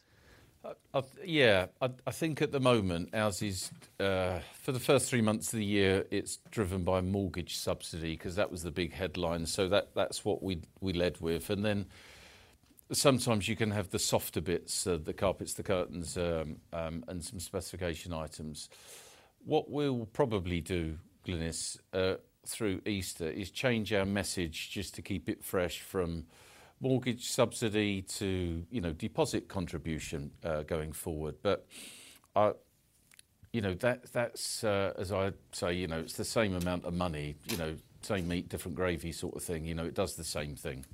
Yeah. I think at the moment ours is for the first three months of the year, it's driven by mortgage subsidy 'cause that was the big headline. That's what we led with. Sometimes you can have the softer bits, the carpets, the curtains, and some specification items. What we'll probably do, Glynis, through Easter is change our message just to keep it fresh from mortgage subsidy to, you know, deposit contribution going forward. You know, that's as I say, you know, it's the same amount of money. You know, same meat, different gravy sort of thing. You know, it does the same thing.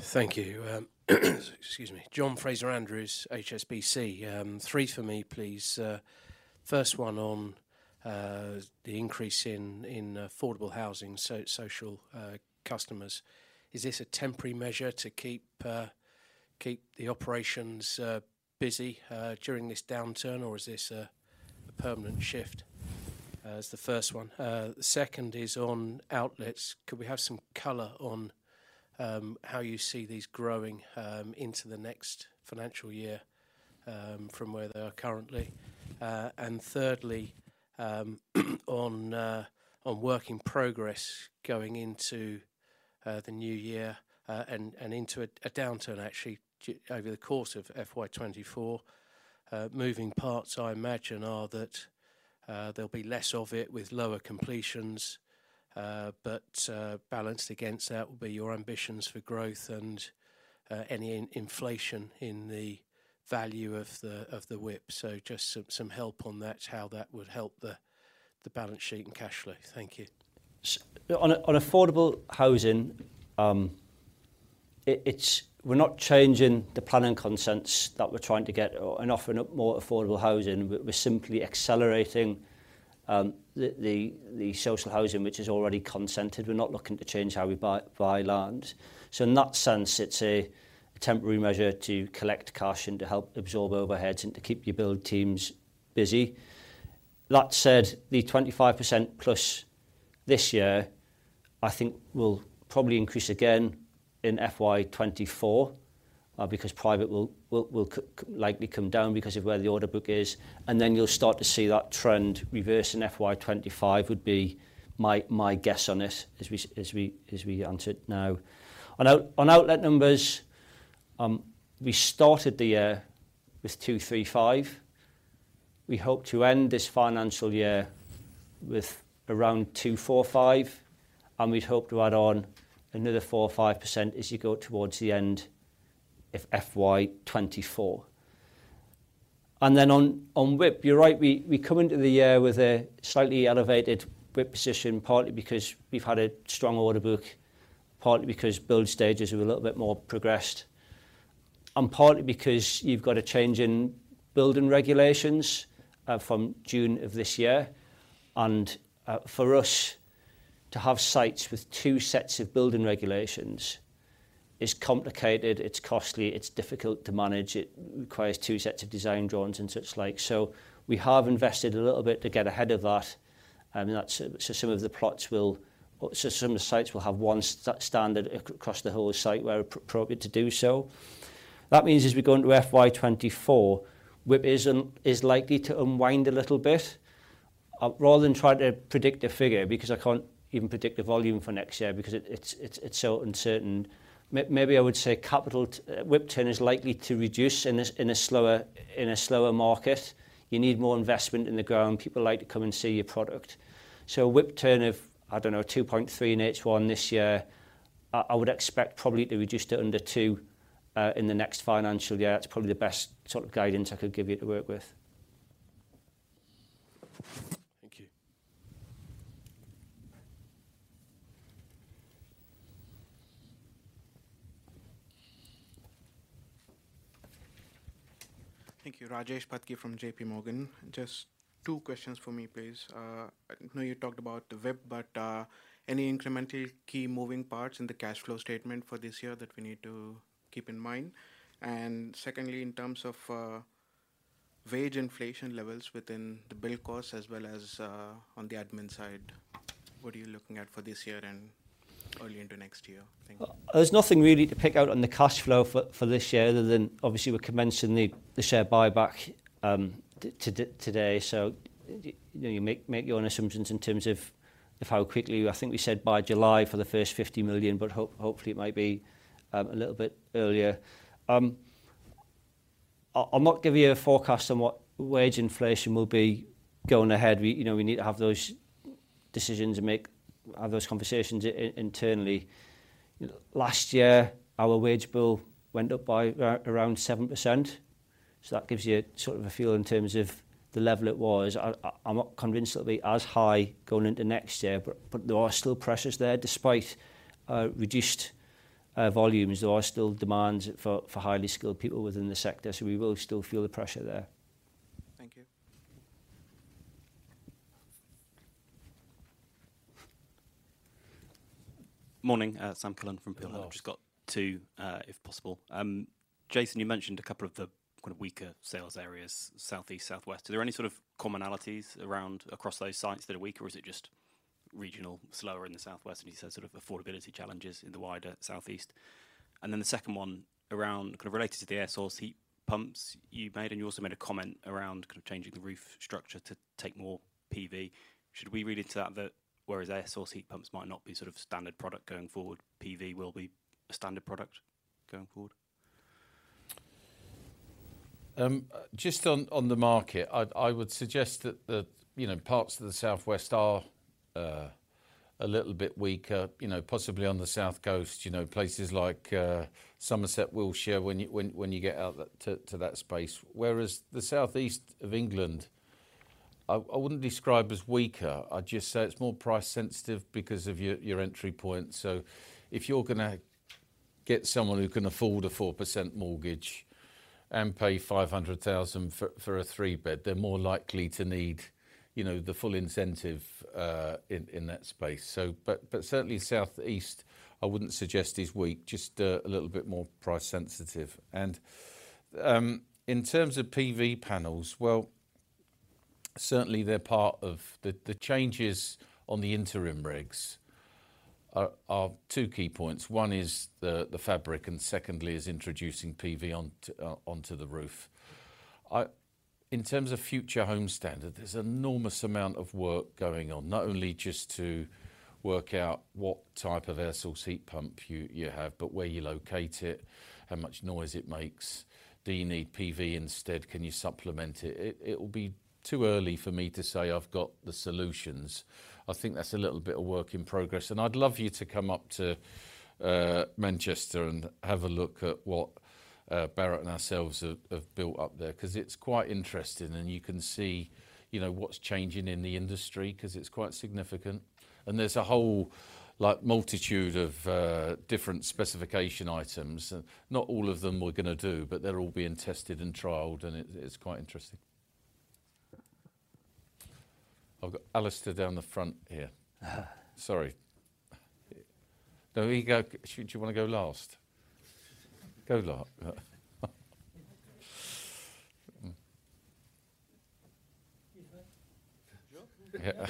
Thank you. Excuse me. Jonathan Fraser-Andrews, HSBC. three for me, please. First one on the increase in affordable housing, so social customers. Is this a temporary measure to keep the operations busy during this downturn? Is this a permanent shift? Is the first one. The second is on outlets. Could we have some color on how you see these growing into the next financial year from where they are currently? Thirdly, on work in progress going into the new year and into a downturn actually over the course of FY24.Moving parts I imagine are that there'll be less of it with lower completions, but balanced against that will be your ambitions for growth and any in-inflation in the value of the WIP. Just some help on that, how that would help the balance sheet and cash flow. Thank you. On affordable housing, we're not changing the planning consents that we're trying to get and offering up more affordable housing. We're simply accelerating the social housing, which is already consented. We're not looking to change how we buy land. In that sense, it's a temporary measure to collect cash and to help absorb overheads and to keep your build teams busy. That said, the 25% plus this year, I think will probably increase again in FY24 because private will likely come down because of where the order book is. Then you'll start to see that trend reverse in FY25 would be my guess on it as we enter it now. On outlet numbers, we started the year with 235. We hope to end this financial year with around 245, we'd hope to add on another 4% or 5% as you go towards the end of FY24. On WIP, you're right. We come into the year with a slightly elevated WIP position, partly because we've had a strong order book, partly because build stages are a little bit more progressed, and partly because you've got a change in building regulations from June of this year. For us to have sites with two sets of building regulations is complicated. It's costly. It's difficult to manage. It requires two sets of design drawings and such like. We have invested a little bit to get ahead of that, some of the plots will some of the sites will have one standard across the whole site where appropriate to do so. As we go into FY24, WIP is likely to unwind a little bit. Rather than try to predict a figure, because I can't even predict the volume for next year because it's so uncertain. Maybe I would say capital WIP turn is likely to reduce in a slower market. You need more investment in the ground. People like to come and see your product. A WIP turn of, I don't know, 2.3 in H1 this year, I would expect probably to reduce to under two in the next financial year. That's probably the best sort of guidance I could give you to work with. Thank you. Thank you. Thank you. Rajesh Patki from JPMorgan. Just two questions for me, please. I know you talked about the WIP, but any incremental key moving parts in the cash flow statement for this year that we need to keep in mind? Secondly, in terms of wage inflation levels within the build costs as well as on the admin side, what are you looking at for this year and early into next year? Thank you. There's nothing really to pick out on the cash flow for this year other than obviously we're commencing the share buyback today. You know, you make your own assumptions in terms of how quickly. I think we said by July for the first 50 million, but hopefully it might be a little bit earlier. I'll not give you a forecast on what wage inflation will be going ahead. We, you know, we need to have those decisions and have those conversations internally. Last year, our wage bill went up by around 7%, so that gives you sort of a feel in terms of the level it was. I'm not convinced that'll be as high going into next year, but there are still pressures there despite reduced volumes. There are still demands for highly skilled people within the sector. We will still feel the pressure there. Thank you. Morning. Sam Cullen from Peel Hunt. Hello. Just got two, if possible. Jason, you mentioned a couple of the kind of weaker sales areas, southeast, southwest. Are there any sort of commonalities around across those sites that are weaker, or is it just regional, slower in the southwest and you said sort of affordability challenges in the wider southeast? The second one around kind of related to the air source heat pumps you made, and you also made a comment around kind of changing the roof structure to take more PV. Should we read into that whereas air source heat pumps might not be sort of standard product going forward, PV will be a standard product going forward? Just on the market, I would suggest that the, you know, parts of the Southwest are a little bit weaker, you know, possibly on the South Coast, you know, places like Somerset, Wiltshire when you get out to that space. Whereas the Southeast of England, I wouldn't describe as weaker. I'd just say it's more price sensitive because of your entry point. If you're gonna get someone who can afford a 4% mortgage and pay 500,000 for a three-bed, they're more likely to need, you know, the full incentive in that space. But certainly Southeast I wouldn't suggest is weak, just a little bit more price sensitive. In terms of PV panels, well, certainly they're part of the changes on the interim rigs are two key points. One is the fabric, and secondly is introducing PV onto the roof. In terms of Future Homes Standard, there's enormous amount of work going on, not only just to work out what type of air source heat pump you have, but where you locate it, how much noise it makes. Do you need PV instead? Can you supplement it? It will be too early for me to say I've got the solutions. I think that's a little bit of work in progress. I'd love you to come up to Manchester and have a look at what Barratt and ourselves have built up there 'cause it's quite interesting. You can see, you know, what's changing in the industry 'cause it's quite significant. There's a whole like multitude of different specification items. Not all of them we're gonna do, but they're all being tested and trialed and it's quite interesting. I've got Alistair down the front here. Sorry. No, here you go. Do you wanna go last? Go last. Yeah.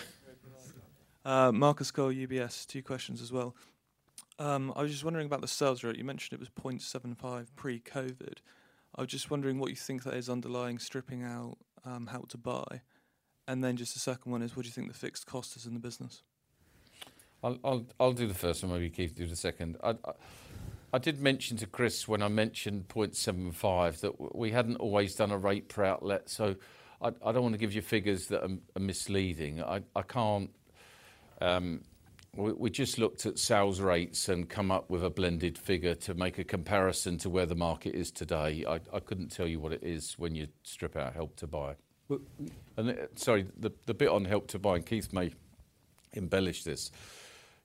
Yeah. Marcus Cole, UBS. two questions as well. I was just wondering about the sales rate. You mentioned it was 0.75 pre-COVID. I was just wondering what you think that is underlying stripping out, Help to Buy. Just the second one is what do you think the fixed cost is in the business? I'll do the first and maybe Keith do the second. I did mention to Chris when I mentioned 0.75 that we hadn't always done a rate per outlet. I don't wanna give you figures that are misleading. I can't. We just looked at sales rates and come up with a blended figure to make a comparison to where the market is today. I couldn't tell you what it is when you strip out Help to Buy. Sorry, the bit on Help to Buy, and Keith may embellish this,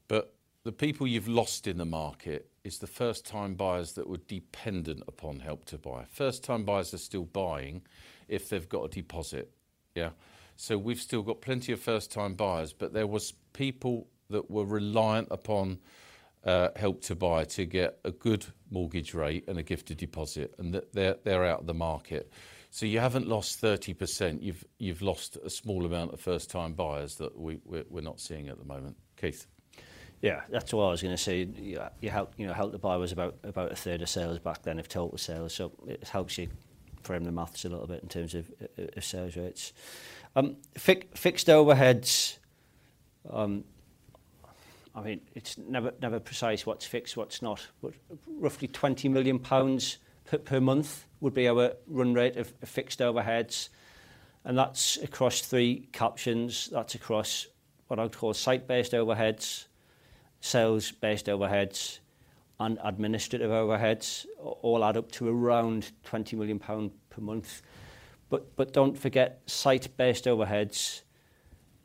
but the people you've lost in the market is the first time buyers that were dependent upon Help to Buy. First time buyers are still buying if they've got a deposit. Yeah. We've still got plenty of first time buyers, but there was people that were reliant upon Help to Buy to get a good mortgage rate and a gifted deposit, and they're out the market. You haven't lost 30%. You've lost a small amount of first time buyers that we're not seeing at the moment. Keith. That's what I was going to say. Help, you know, Help to Buy was about a third of sales back then of total sales, so it helps you frame the math a little bit in terms of sales rates. I mean, it's never precise what's fixed, what's not, but roughly 20 million pounds per month would be our run rate of fixed overheads, and that's across three captions. That's across what I would call site-based overheads, sales-based overheads, and administrative overheads, all add up to around 20 million pound per month. Don't forget, site-based overheads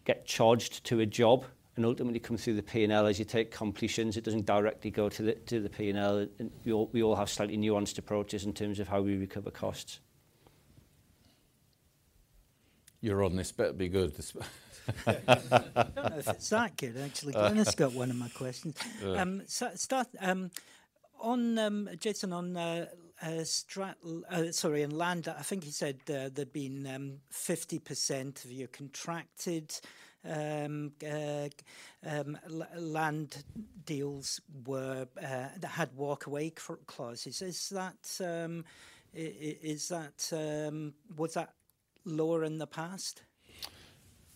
get charged to a job and ultimately come through the P&L. As you take completions, it doesn't directly go to the P&L. We all have slightly nuanced approaches in terms of how we recover costs. You're on. This better be good. I don't know if it's that good, actually. Glynis has got one of my questions. Uh. Jason on, sorry, in land, I think you said there'd been 50% of your contracted land deals were that had walk away clauses. Is that is that? Was that lower in the past?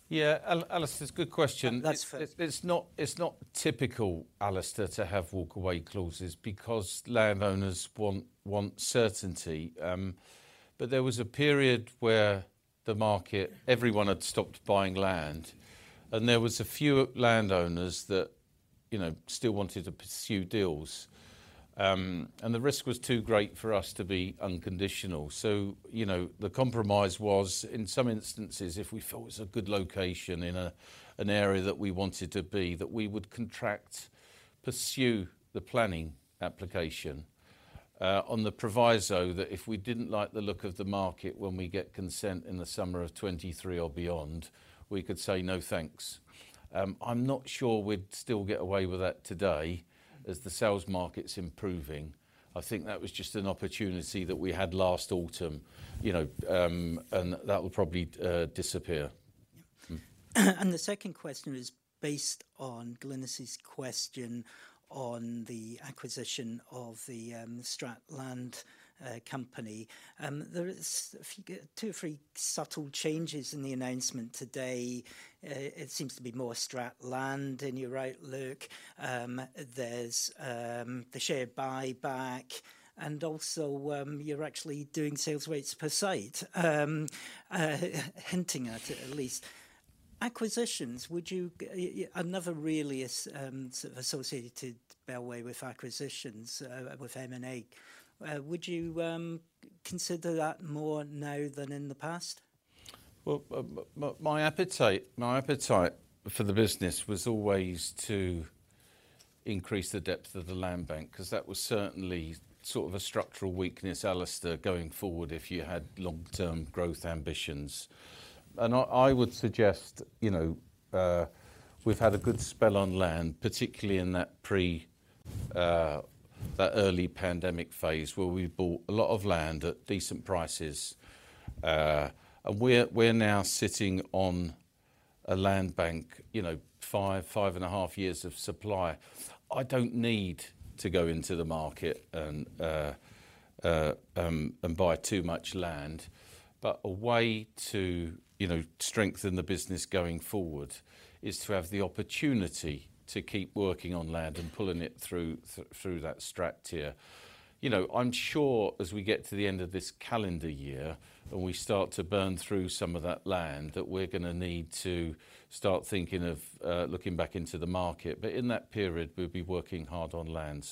Yeah, Alistair, it's a good question. That's fair. It's not typical, Alistair, to have walk away clauses because landowners want certainty. There was a period where the market, everyone had stopped buying land, and there was a few landowners that, you know, still wanted to pursue deals. The risk was too great for us to be unconditional. You know, the compromise was, in some instances, if we felt it was a good location in an area that we wanted to be, that we would contract, pursue the planning application, on the proviso that if we didn't like the look of the market when we get consent in the summer of 2023 or beyond, we could say, "No, thanks." I'm not sure we'd still get away with that today as the sales market's improving. I think that was just an opportunity that we had last autumn, you know, and that will probably disappear. The second question is based on Glynis' question on the acquisition of the Stratland Land company. There is Two or three subtle changes in the announcement today. It seems to be more Stratland Land in your outlook. There's the share buyback, and also, you're actually doing sales rates per site. Hinting at it at least. Acquisitions, would you I've never really sort of associated Bellway with acquisitions, with M&A. Would you consider that more now than in the past? Well, my appetite for the business was always to increase the depth of the land bank, 'cause that was certainly sort of a structural weakness, Alistair, going forward if you had long-term growth ambitions. I would suggest, you know, we've had a good spell on land, particularly in that pre-that early pandemic phase where we bought a lot of land at decent prices. We're now sitting on a land bank, you know, 5 and a half years of supply. I don't need to go into the market and buy too much land. A way to, you know, strengthen the business going forward is to have the opportunity to keep working on land and pulling it through that Strat tier. You know, I'm sure as we get to the end of this calendar year, and we start to burn through some of that land, that we're gonna need to start thinking of, looking back into the market. In that period, we'll be working hard on land.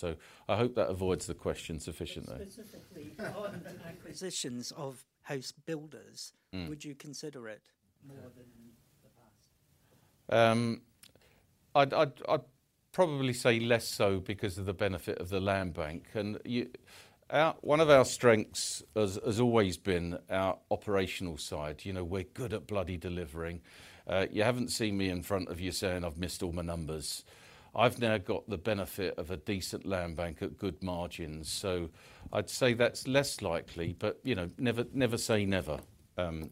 I hope that avoids the question sufficiently. Specifically on acquisitions of house builders. Mm. Would you consider it more than in the past? I'd probably say less so because of the benefit of the land bank. One of our strengths has always been our operational side. You know, we're good at bloody delivering. You haven't seen me in front of you saying I've missed all my numbers. I've now got the benefit of a decent land bank at good margins. I'd say that's less likely, but, you know, never say never.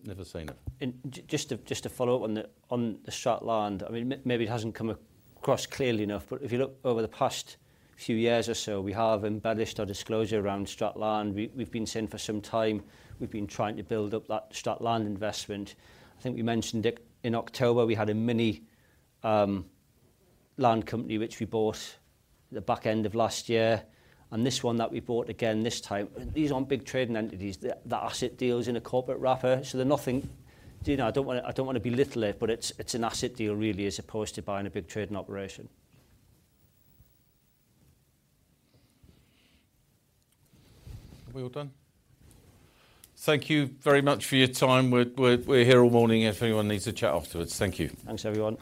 Never say never. Just to, just to follow up on the Strategic Land. I mean, maybe it hasn't come across clearly enough, but if you look over the past few years or so, we have embellished our disclosure around Strategic Land. We've been saying for some time we've been trying to build up that Strategic Land investment. I think we mentioned it in October. We had a mini land company which we bought the back end of last year. This one that we bought again this time, these aren't big trading entities. They're asset deals in a corporate wrapper. They're nothing. You know, I don't wanna belittle it, but it's an asset deal really as opposed to buying a big trading operation. Are we all done? Thank you very much for your time. We're here all morning if anyone needs to chat afterwards. Thank you. Thanks, everyone.